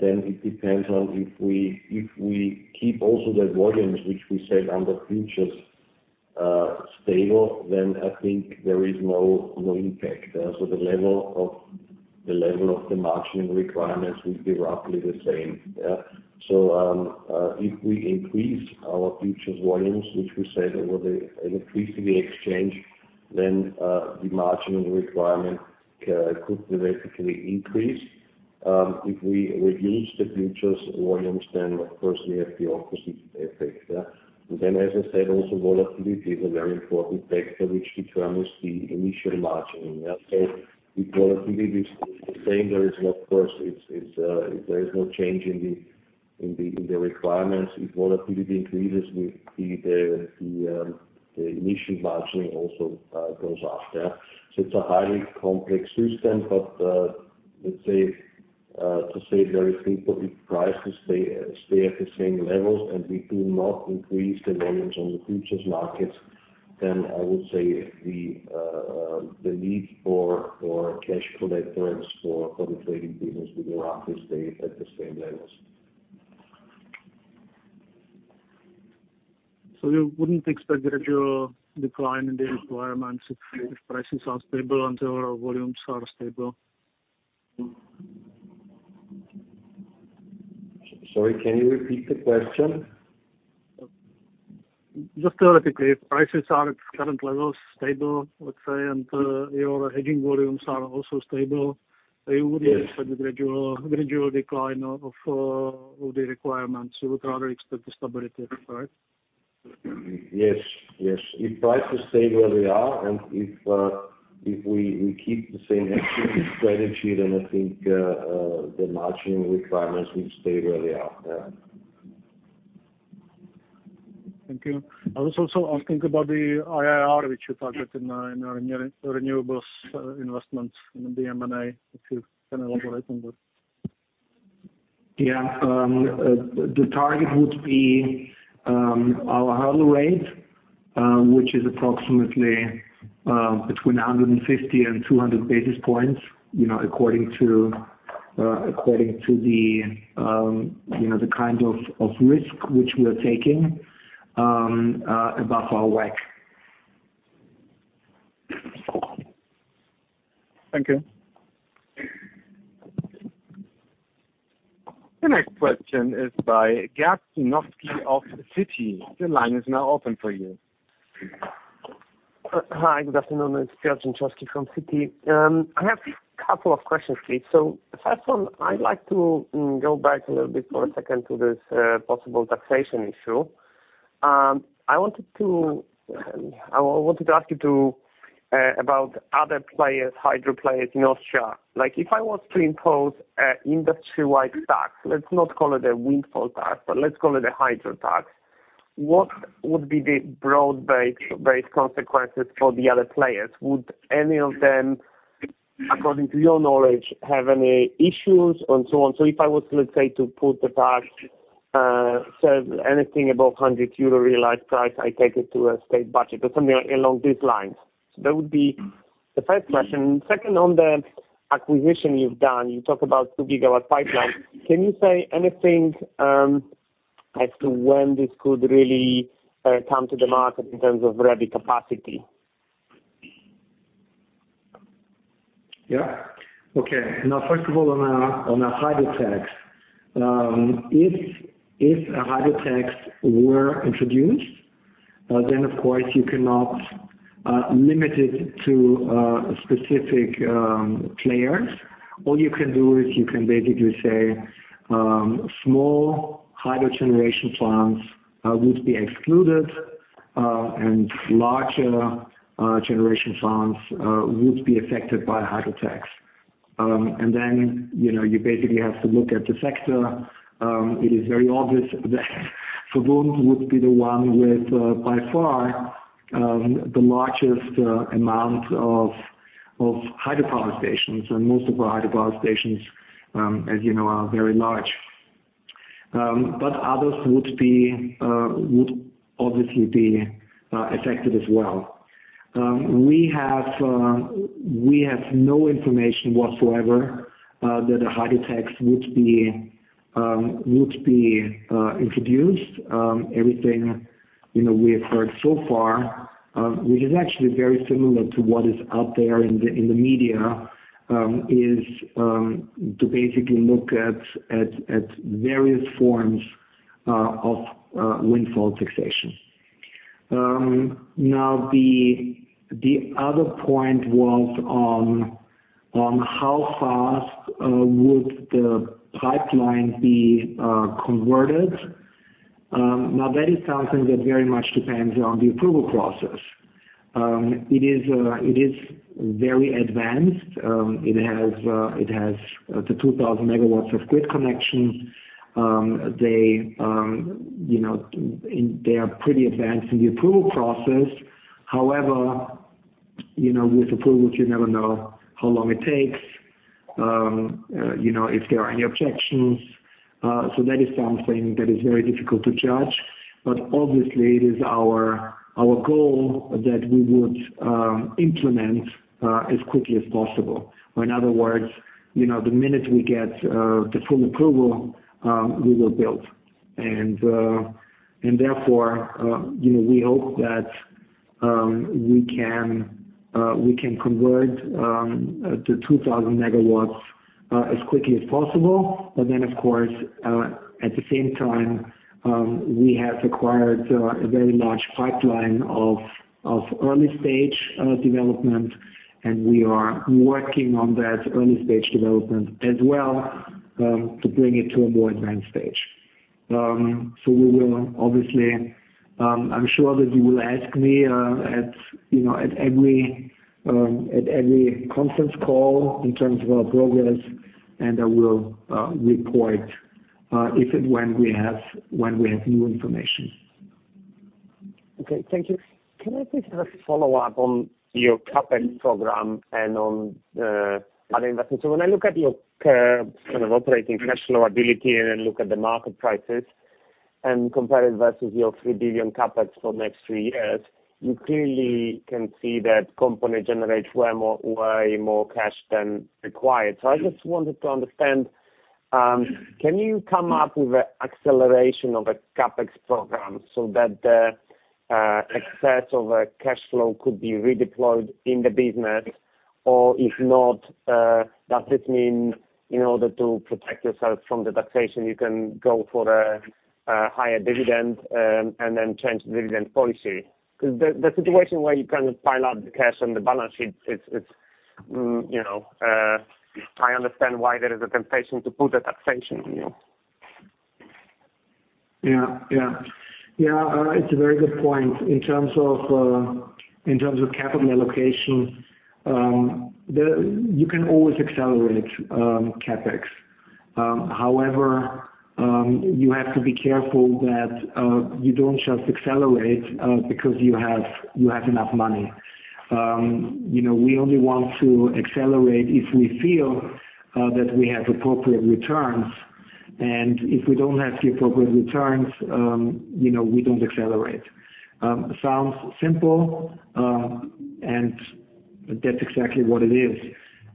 then it depends on if we also keep the volumes, which we set on futures, stable, then I think there is no impact. The level of the margin requirements will be roughly the same. Yeah. If we increase our futures volumes, which we set on the electricity exchange, then the margin requirement could basically increase. If we reduce the futures volumes, then of course we have the opposite effect. As I said also, volatility is a very important factor which determines the initial margin. If volatility is the same, there is of course no change in the requirements. If volatility increases, we see the initial margin also goes up. It's a highly complex system, but let's say, to say very simply, prices stay at the same levels and we do not increase the volumes on the futures markets, then I would say the need for cash collateral for the trading business will roughly stay at the same levels. You wouldn't expect gradual decline in the requirements if prices are stable and your volumes are stable? Sorry, can you repeat the question? Just theoretically, if prices are at current levels, stable, let's say, and your hedging volumes are also stable, you wouldn't. Yes. Expect a gradual decline of the requirements. You would rather expect the stability, correct? Yes. Yes. If prices stay where they are and if we keep the same hedging strategy, then I think the margin requirements will stay where they are. Yeah. Thank you. I was also asking about the IRR, which you targeted in our renewables investments in the M&A, if you can elaborate on that. Yeah. The target would be our hurdle rate, which is approximately between 150 basis points and 200 basis points, you know, according to the kind of risk which we are taking above our WACC. Thank you. The next question is by Gert-Jan Chojnicki of Citi. The line is now open for you. Hi, good afternoon. It's Gert-Jan Chojnicki of Citi. I have a couple of questions, please. First one, I'd like to go back a little bit for a second to this possible taxation issue. I wanted to ask you about other players, hydro players in Austria. Like, if I was to impose an industry-wide tax, let's not call it a windfall tax, but let's call it a hydro tax. What would be the broad-based consequences for the other players? Would any of them, according to your knowledge, have any issues and so on? If I was, let's say, to put the tax, anything above 100 euro realized price, I take it to a state budget or something along these lines. That would be the first question. Second, on the acquisition you've done, you talk about 2 GW pipeline. Can you say anything, as to when this could really come to the market in terms of ready capacity? Yeah. Okay. Now, first of all, on a hydro tax, if a hydro tax were introduced, then of course you cannot limit it to specific players. All you can do is you can basically say small hydro generation plants would be excluded, and larger generation plants would be affected by a hydro tax. Then, you know, you basically have to look at the sector. It is very obvious that VERBUND would be the one with by far the largest amount of hydropower stations, and most of our hydropower stations, as you know, are very large. Others would obviously be affected as well. We have no information whatsoever that a hydro tax would be introduced. Everything you know we have heard so far, which is actually very similar to what is out there in the media, is to basically look at various forms of windfall taxation. Now the other point was on how fast would the pipeline be converted. Now that is something that very much depends on the approval process. It is very advanced. It has the 2,000 MW of grid connections. They you know are pretty advanced in the approval process. However, you know, with approvals you never know how long it takes. You know, if there are any objections. That is something that is very difficult to judge. Obviously it is our goal that we would implement as quickly as possible. In other words, you know, the minute we get the full approval, we will build. Therefore, you know, we hope that we can convert the 2,000 MW as quickly as possible. Of course, at the same time, we have acquired a very large pipeline of early-stage development, and we are working on that early-stage development as well to bring it to a more advanced stage. We will obviously, I'm sure that you will ask me, you know, at every conference call in terms of our progress, and I will report if and when we have new information. Okay, thank you. Can I please just follow up on your CapEx program and on the other investments? When I look at your kind of operating cash flow ability and then look at the market prices and compare it versus your 3 billion CapEx for next three years, you clearly can see that company generates way more cash than required. I just wanted to understand, can you come up with an acceleration of a CapEx program so that the excess of a cash flow could be redeployed in the business? Or if not, does this mean in order to protect yourself from the taxation, you can go for a higher dividend, and then change the dividend policy? Because the situation where you kind of pile up the cash on the balance sheet, it's, you know, I understand why there is a temptation to put a taxation on you. Yeah. It's a very good point. In terms of capital allocation, you can always accelerate CapEx. However, you have to be careful that you don't just accelerate because you have enough money. You know, we only want to accelerate if we feel that we have appropriate returns. If we don't have the appropriate returns, you know, we don't accelerate. Sounds simple, and that's exactly what it is.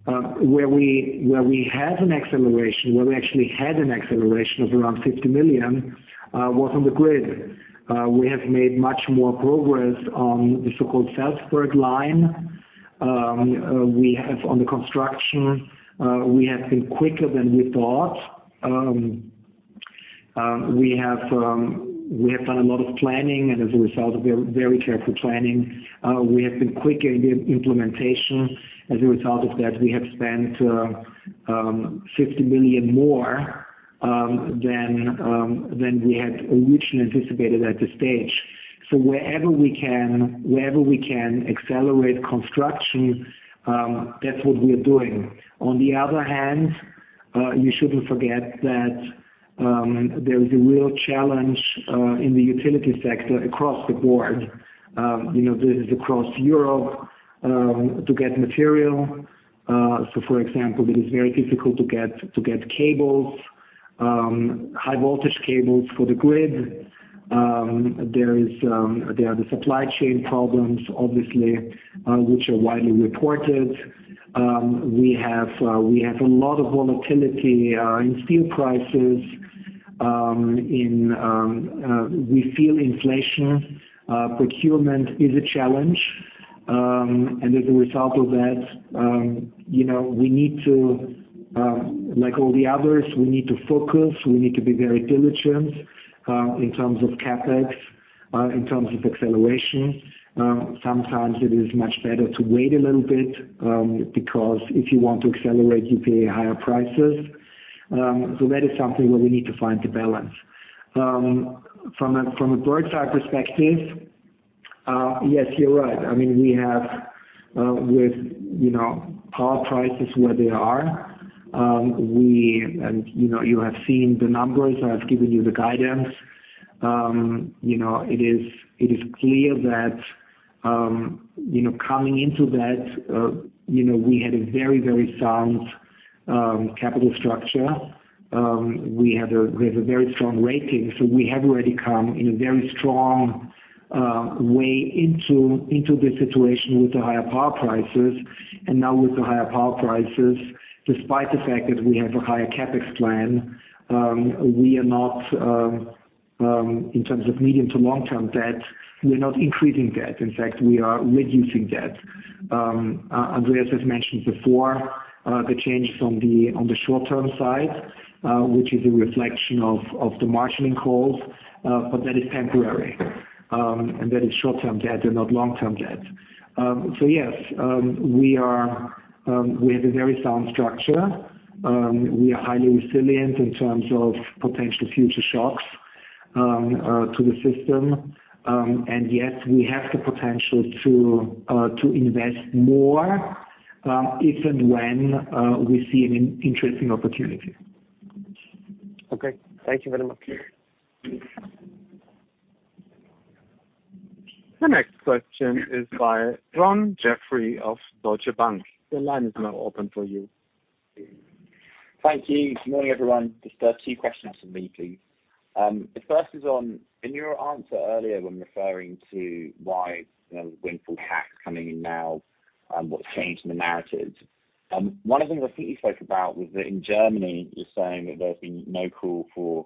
Where we have an acceleration, where we actually had an acceleration of around 50 million, was on the grid. We have made much more progress on the so-called Salzburg Line. We have on the construction been quicker than we thought. We have done a lot of planning and as a result of a very careful planning, we have been quick in the implementation. As a result of that, we have spent 50 million more than we had originally anticipated at this stage. Wherever we can accelerate construction, that's what we are doing. On the other hand, you shouldn't forget that there is a real challenge in the utility sector across the board, you know, this is across Europe, to get material. For example, it is very difficult to get cables, high voltage cables for the grid. There are the supply chain problems obviously, which are widely reported. We have a lot of volatility in steel prices. We feel inflation. Procurement is a challenge. As a result of that, you know, we need to, like all the others, we need to focus. We need to be very diligent in terms of CapEx in terms of acceleration. Sometimes it is much better to wait a little bit because if you want to accelerate, you pay higher prices. That is something where we need to find the balance. From a bird's eye perspective, yes, you're right. I mean, we have with you know power prices where they are, and you know, you have seen the numbers. I've given you the guidance. You know, it is clear that, you know, coming into that, you know, we had a very sound capital structure. We had a, we have a very strong rating, so we have already come in a very strong way into this situation with the higher power prices. Now with the higher power prices, despite the fact that we have a higher CapEx plan, we are not in terms of medium to long-term debt, we're not increasing debt. In fact, we are reducing debt. Andreas has mentioned before the change from the on the short-term side, which is a reflection of the margin calls. But that is temporary. And that is short-term debt and not long-term debt. So yes, we are, we have a very sound structure. We are highly resilient in terms of potential future shocks to the system. Yes, we have the potential to invest more if and when we see an interesting opportunity. Okay. Thank you very much. The next question is by Olly Jeffery of Deutsche Bank. The line is now open for you. Thank you. Good morning, everyone. Just two questions from me, please. The first is in your answer earlier when referring to why, you know, windfall tax coming in now and what's changed in the narrative, one of the things I think you spoke about was that in Germany you're saying that there's been no call for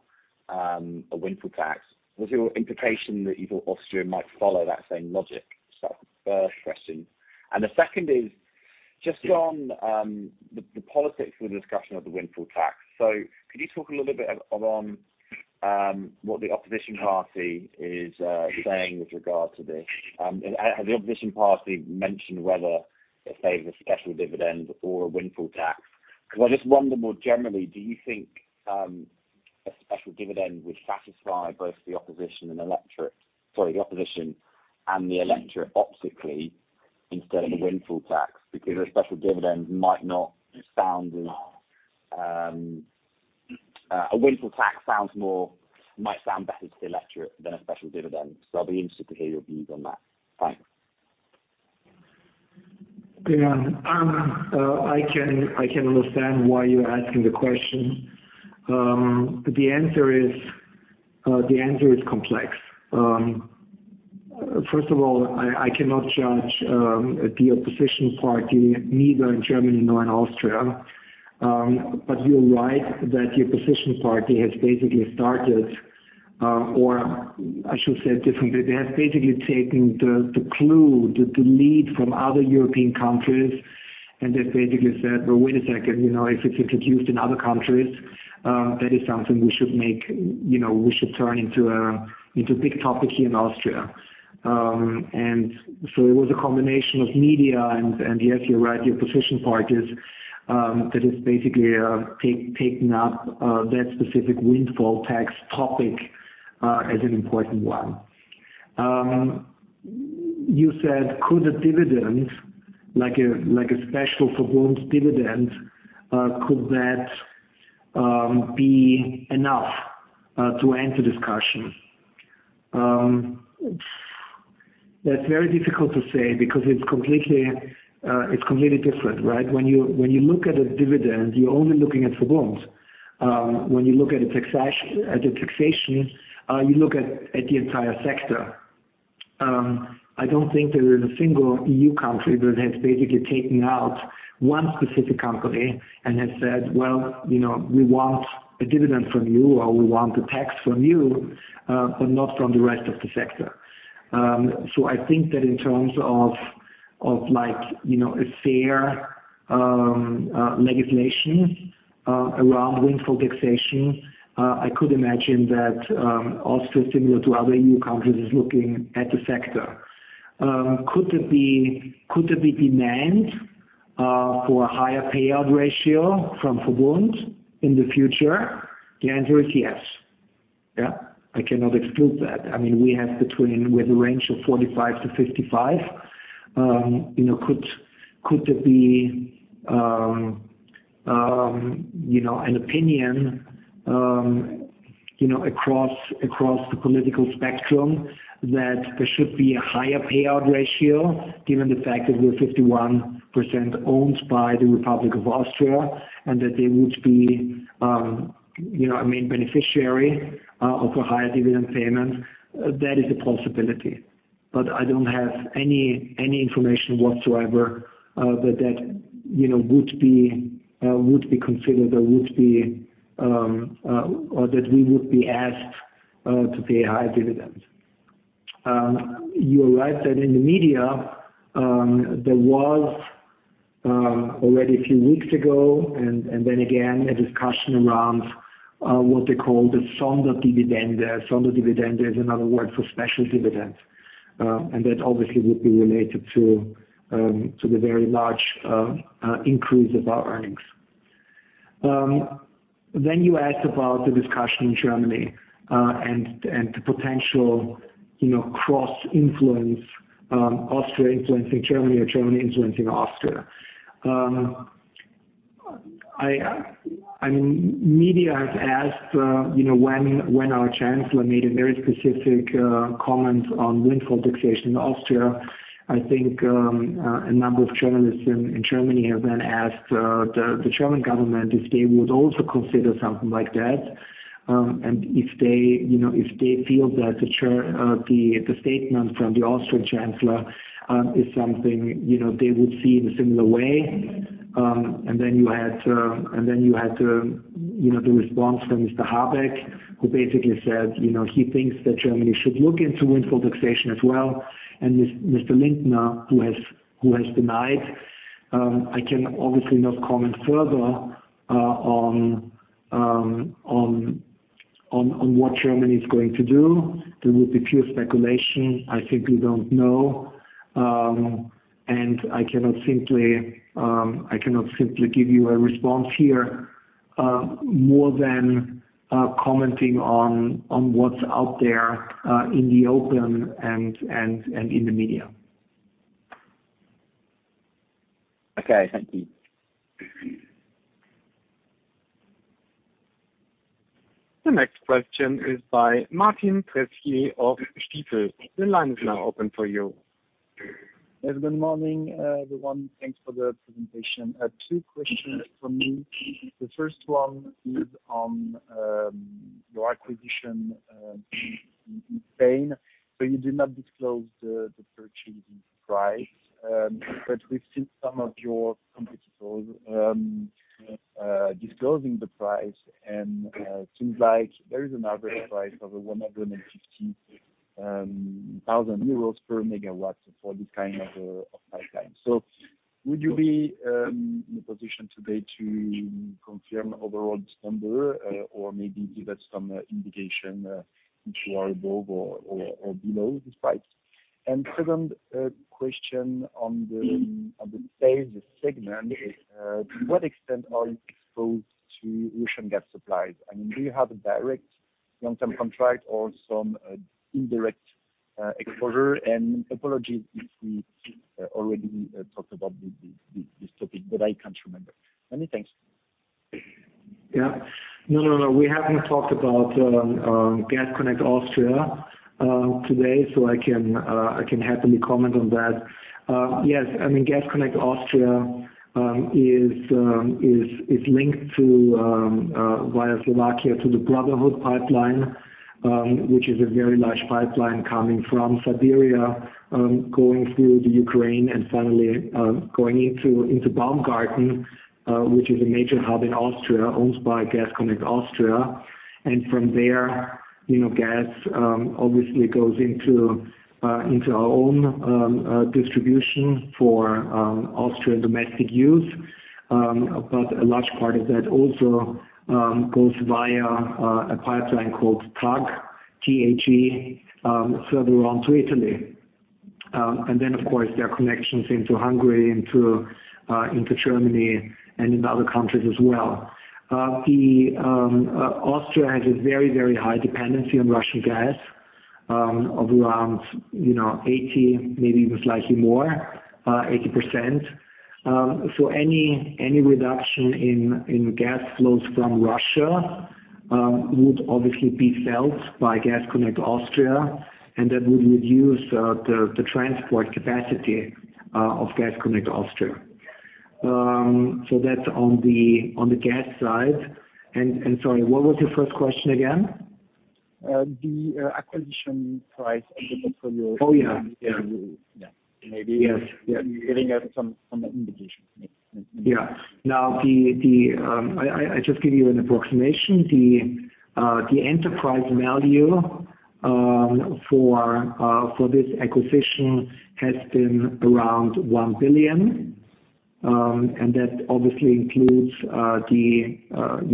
a windfall tax. Was your implication that you thought Austria might follow that same logic? That's the first question. The second is just on the politics with the discussion of the windfall tax. Could you talk a little bit around what the opposition party is saying with regard to this? Has the opposition party mentioned whether they favor special dividends or a windfall tax? 'Cause I just wonder more generally, do you think a special dividend would satisfy both the opposition and the electorate optically instead of a windfall tax? Because a special dividend might not sound as a windfall tax sounds more, might sound better to the electorate than a special dividend. I'll be interested to hear your views on that. Thanks. Yeah. I can understand why you're asking the question. The answer is complex. First of all, I cannot judge the opposition party, neither in Germany nor in Austria. You're right that the opposition party has basically started, or I should say it differently. They have basically taken the clue, the lead from other European countries, and they've basically said, Well, wait a second, you know, if it's introduced in other countries, that is something we should make, you know, we should turn into a big topic here in Austria. It was a combination of media and, yes, you're right, the opposition parties, that is basically picking up that specific windfall tax topic as an important one. You said could a dividend, like a special VERBUND dividend, could that be enough to end the discussion? That's very difficult to say because it's completely different, right? When you look at a dividend, you're only looking at VERBUND. When you look at a taxation, you look at the entire sector. I don't think there is a single EU country that has basically taken out one specific company and has said, Well, you know, we want a dividend from you, or, We want a tax from you, but not from the rest of the sector. I think that in terms of like, you know, a fair legislation around windfall taxation, I could imagine that Austria, similar to other EU countries, is looking at the sector. Could there be demand for a higher payout ratio from VERBUND in the future? The answer is yes. Yeah. I cannot exclude that. I mean, we have between with a range of 45%-55%, you know, could there be, you know, an opinion, you know, across the political spectrum that there should be a higher payout ratio given the fact that we're 51% owned by the Republic of Austria and that they would be, you know, a main beneficiary of a higher dividend payment? That is a possibility. I don't have any information whatsoever that would be considered or that we would be asked to pay higher dividends. You are right that in the media, there was already a few weeks ago and then again a discussion around what they call the Sonderdividende. Sonderdividende is another word for special dividend. That obviously would be related to the very large increase of our earnings. You asked about the discussion in Germany, and the potential, you know, cross influence, Austria influencing Germany or Germany influencing Austria. I mean, media has asked, you know, when our chancellor made a very specific comment on windfall taxation in Austria, I think, a number of journalists in Germany have then asked, the German government if they would also consider something like that. If they, you know, if they feel that the statement from the Austrian chancellor is something, you know, they would see in a similar way. You had, you know, the response from Mr. Habeck, who basically said, you know, he thinks that Germany should look into windfall taxation as well, and Mr. Lindner who has denied. I can obviously not comment further on what Germany is going to do. There will be pure speculation. I think we don't know. I cannot simply give you a response here, more than commenting on what's out there in the open and in the media. Okay, thank you. The next question is by Thibault Dujardin of Bernstein. The line is now open for you. Yes, good morning, everyone. Thanks for the presentation. Two questions from me. The first one is on your acquisition in Spain. So you did not disclose the purchasing price, but we've seen some of your competitors disclosing the price and it seems like there is an average price of 150,000 euros per megawatt for this kind of pipeline. So would you be in a position today to confirm overall this number or maybe give us some indication if you are above or below this price? Second question on the sales segment. To what extent are you exposed to Russian gas supplies? I mean, do you have a direct long-term contract or some indirect exposure? Apologies if we already talked about this topic, but I can't remember. Many thanks. Yeah. No, no. We haven't talked about Gas Connect Austria today, so I can happily comment on that. Yes, I mean, Gas Connect Austria is linked to via Slovakia to the Brotherhood pipeline, which is a very large pipeline coming from Siberia, going through the Ukraine and finally going into Baumgarten, which is a major hub in Austria, owned by Gas Connect Austria. From there, you know, gas obviously goes into our own distribution for Austrian domestic use. A large part of that also goes via a pipeline called TAG, T-A-G, further on to Italy. Then of course, there are connections into Hungary, into Germany and into other countries as well. Austria has a very, very high dependency on Russian gas of around, you know, 80%, maybe even slightly more, 80%. So any reduction in gas flows from Russia would obviously be felt by Gas Connect Austria, and that would reduce the transport capacity of Gas Connect Austria. So that's on the gas side. Sorry, what was your first question again? The acquisition price of the portfolio. Oh, yeah. Yeah. Maybe- Yes. You can give us some indication. Yeah. Now, I just give you an approximation. The enterprise value for this acquisition has been around 1 billion. That obviously includes, you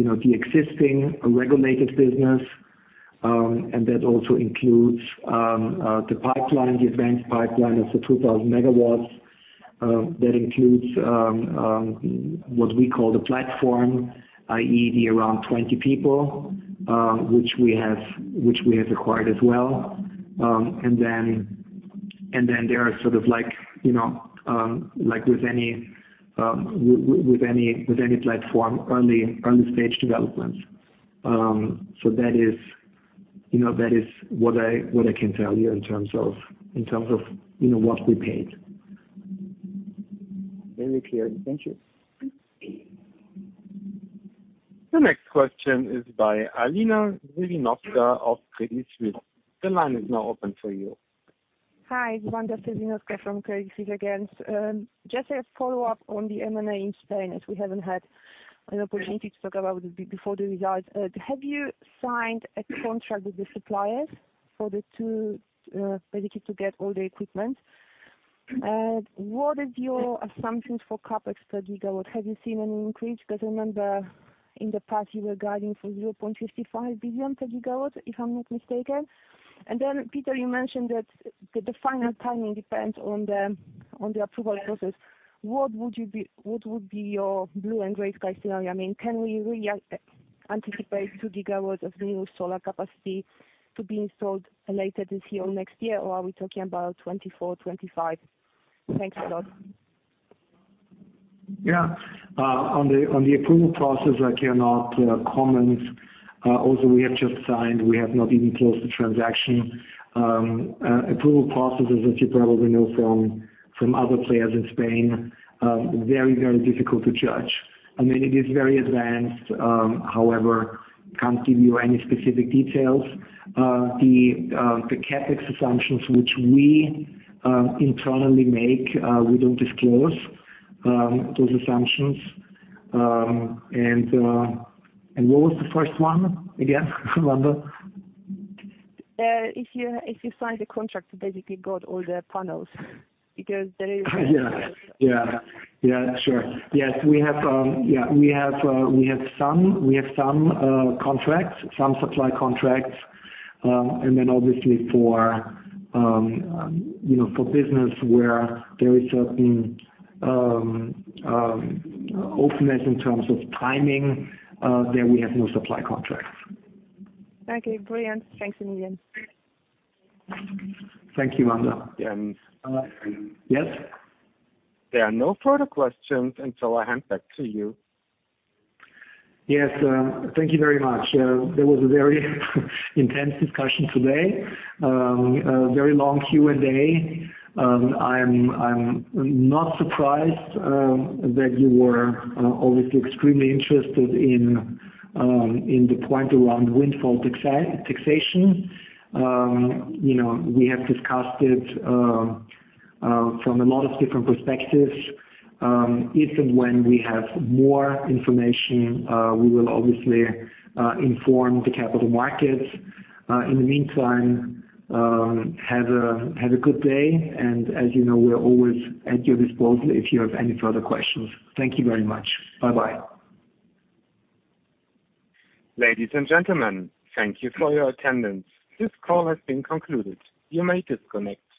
know, the existing regulated business. That also includes the pipeline, the advanced pipeline, it's the 2,000 MW. That includes what we call the platform, i.e., the around 20 people which we have acquired as well. There are sort of like, you know, like with any platform, early-stage developments. That is, you know, that is what I can tell you in terms of what we paid. Very clear. Thank you. The next question is by Wanda Serwinowska of Credit Suisse. The line is now open for you. Hi, Wanda Serwinowska from Credit Suisse again. Just a follow-up on the M&A in Spain, as we haven't had an opportunity to talk about it before the results. Have you signed a contract with the suppliers for the two, basically to get all the equipment? What is your assumptions for CapEx per gigawatt? Have you seen an increase? Because remember in the past you were guiding for 0.55 billion per gigawatt, if I'm not mistaken. Peter Kollmann, you mentioned that the final timing depends on the approval process. What would be your blue and gray sky scenario? I mean, can we anticipate 2 GW of new solar capacity to be installed later this year or next year? Or are we talking about 2024, 2025? Thanks a lot. On the approval process, I cannot comment. Also we have just signed, we have not even closed the transaction. Approval processes, as you probably know from other players in Spain, very, very difficult to judge. I mean, it is very advanced, however, can't give you any specific details. The CapEx assumptions, which we internally make, we don't disclose, those assumptions. What was the first one again, Wanda? If you signed the contract to basically get all the panels because there is. Yeah. Sure. Yes, we have some contracts, some supply contracts. Obviously, you know, for business where there is certain openness in terms of timing, then we have no supply contracts. Okay. Brilliant. Thanks a million. Thank you, Wanda. Yes? There are no further questions until I hand back to you. Yes. Thank you very much. That was a very intense discussion today. A very long Q&A. I'm not surprised that you were obviously extremely interested in the point around windfall taxation. You know, we have discussed it from a lot of different perspectives. If and when we have more information, we will obviously inform the capital markets. In the meantime, have a good day. As you know, we are always at your disposal if you have any further questions. Thank you very much. Bye-bye. Ladies and gentlemen, thank you for your attendance. This call has been concluded. You may disconnect.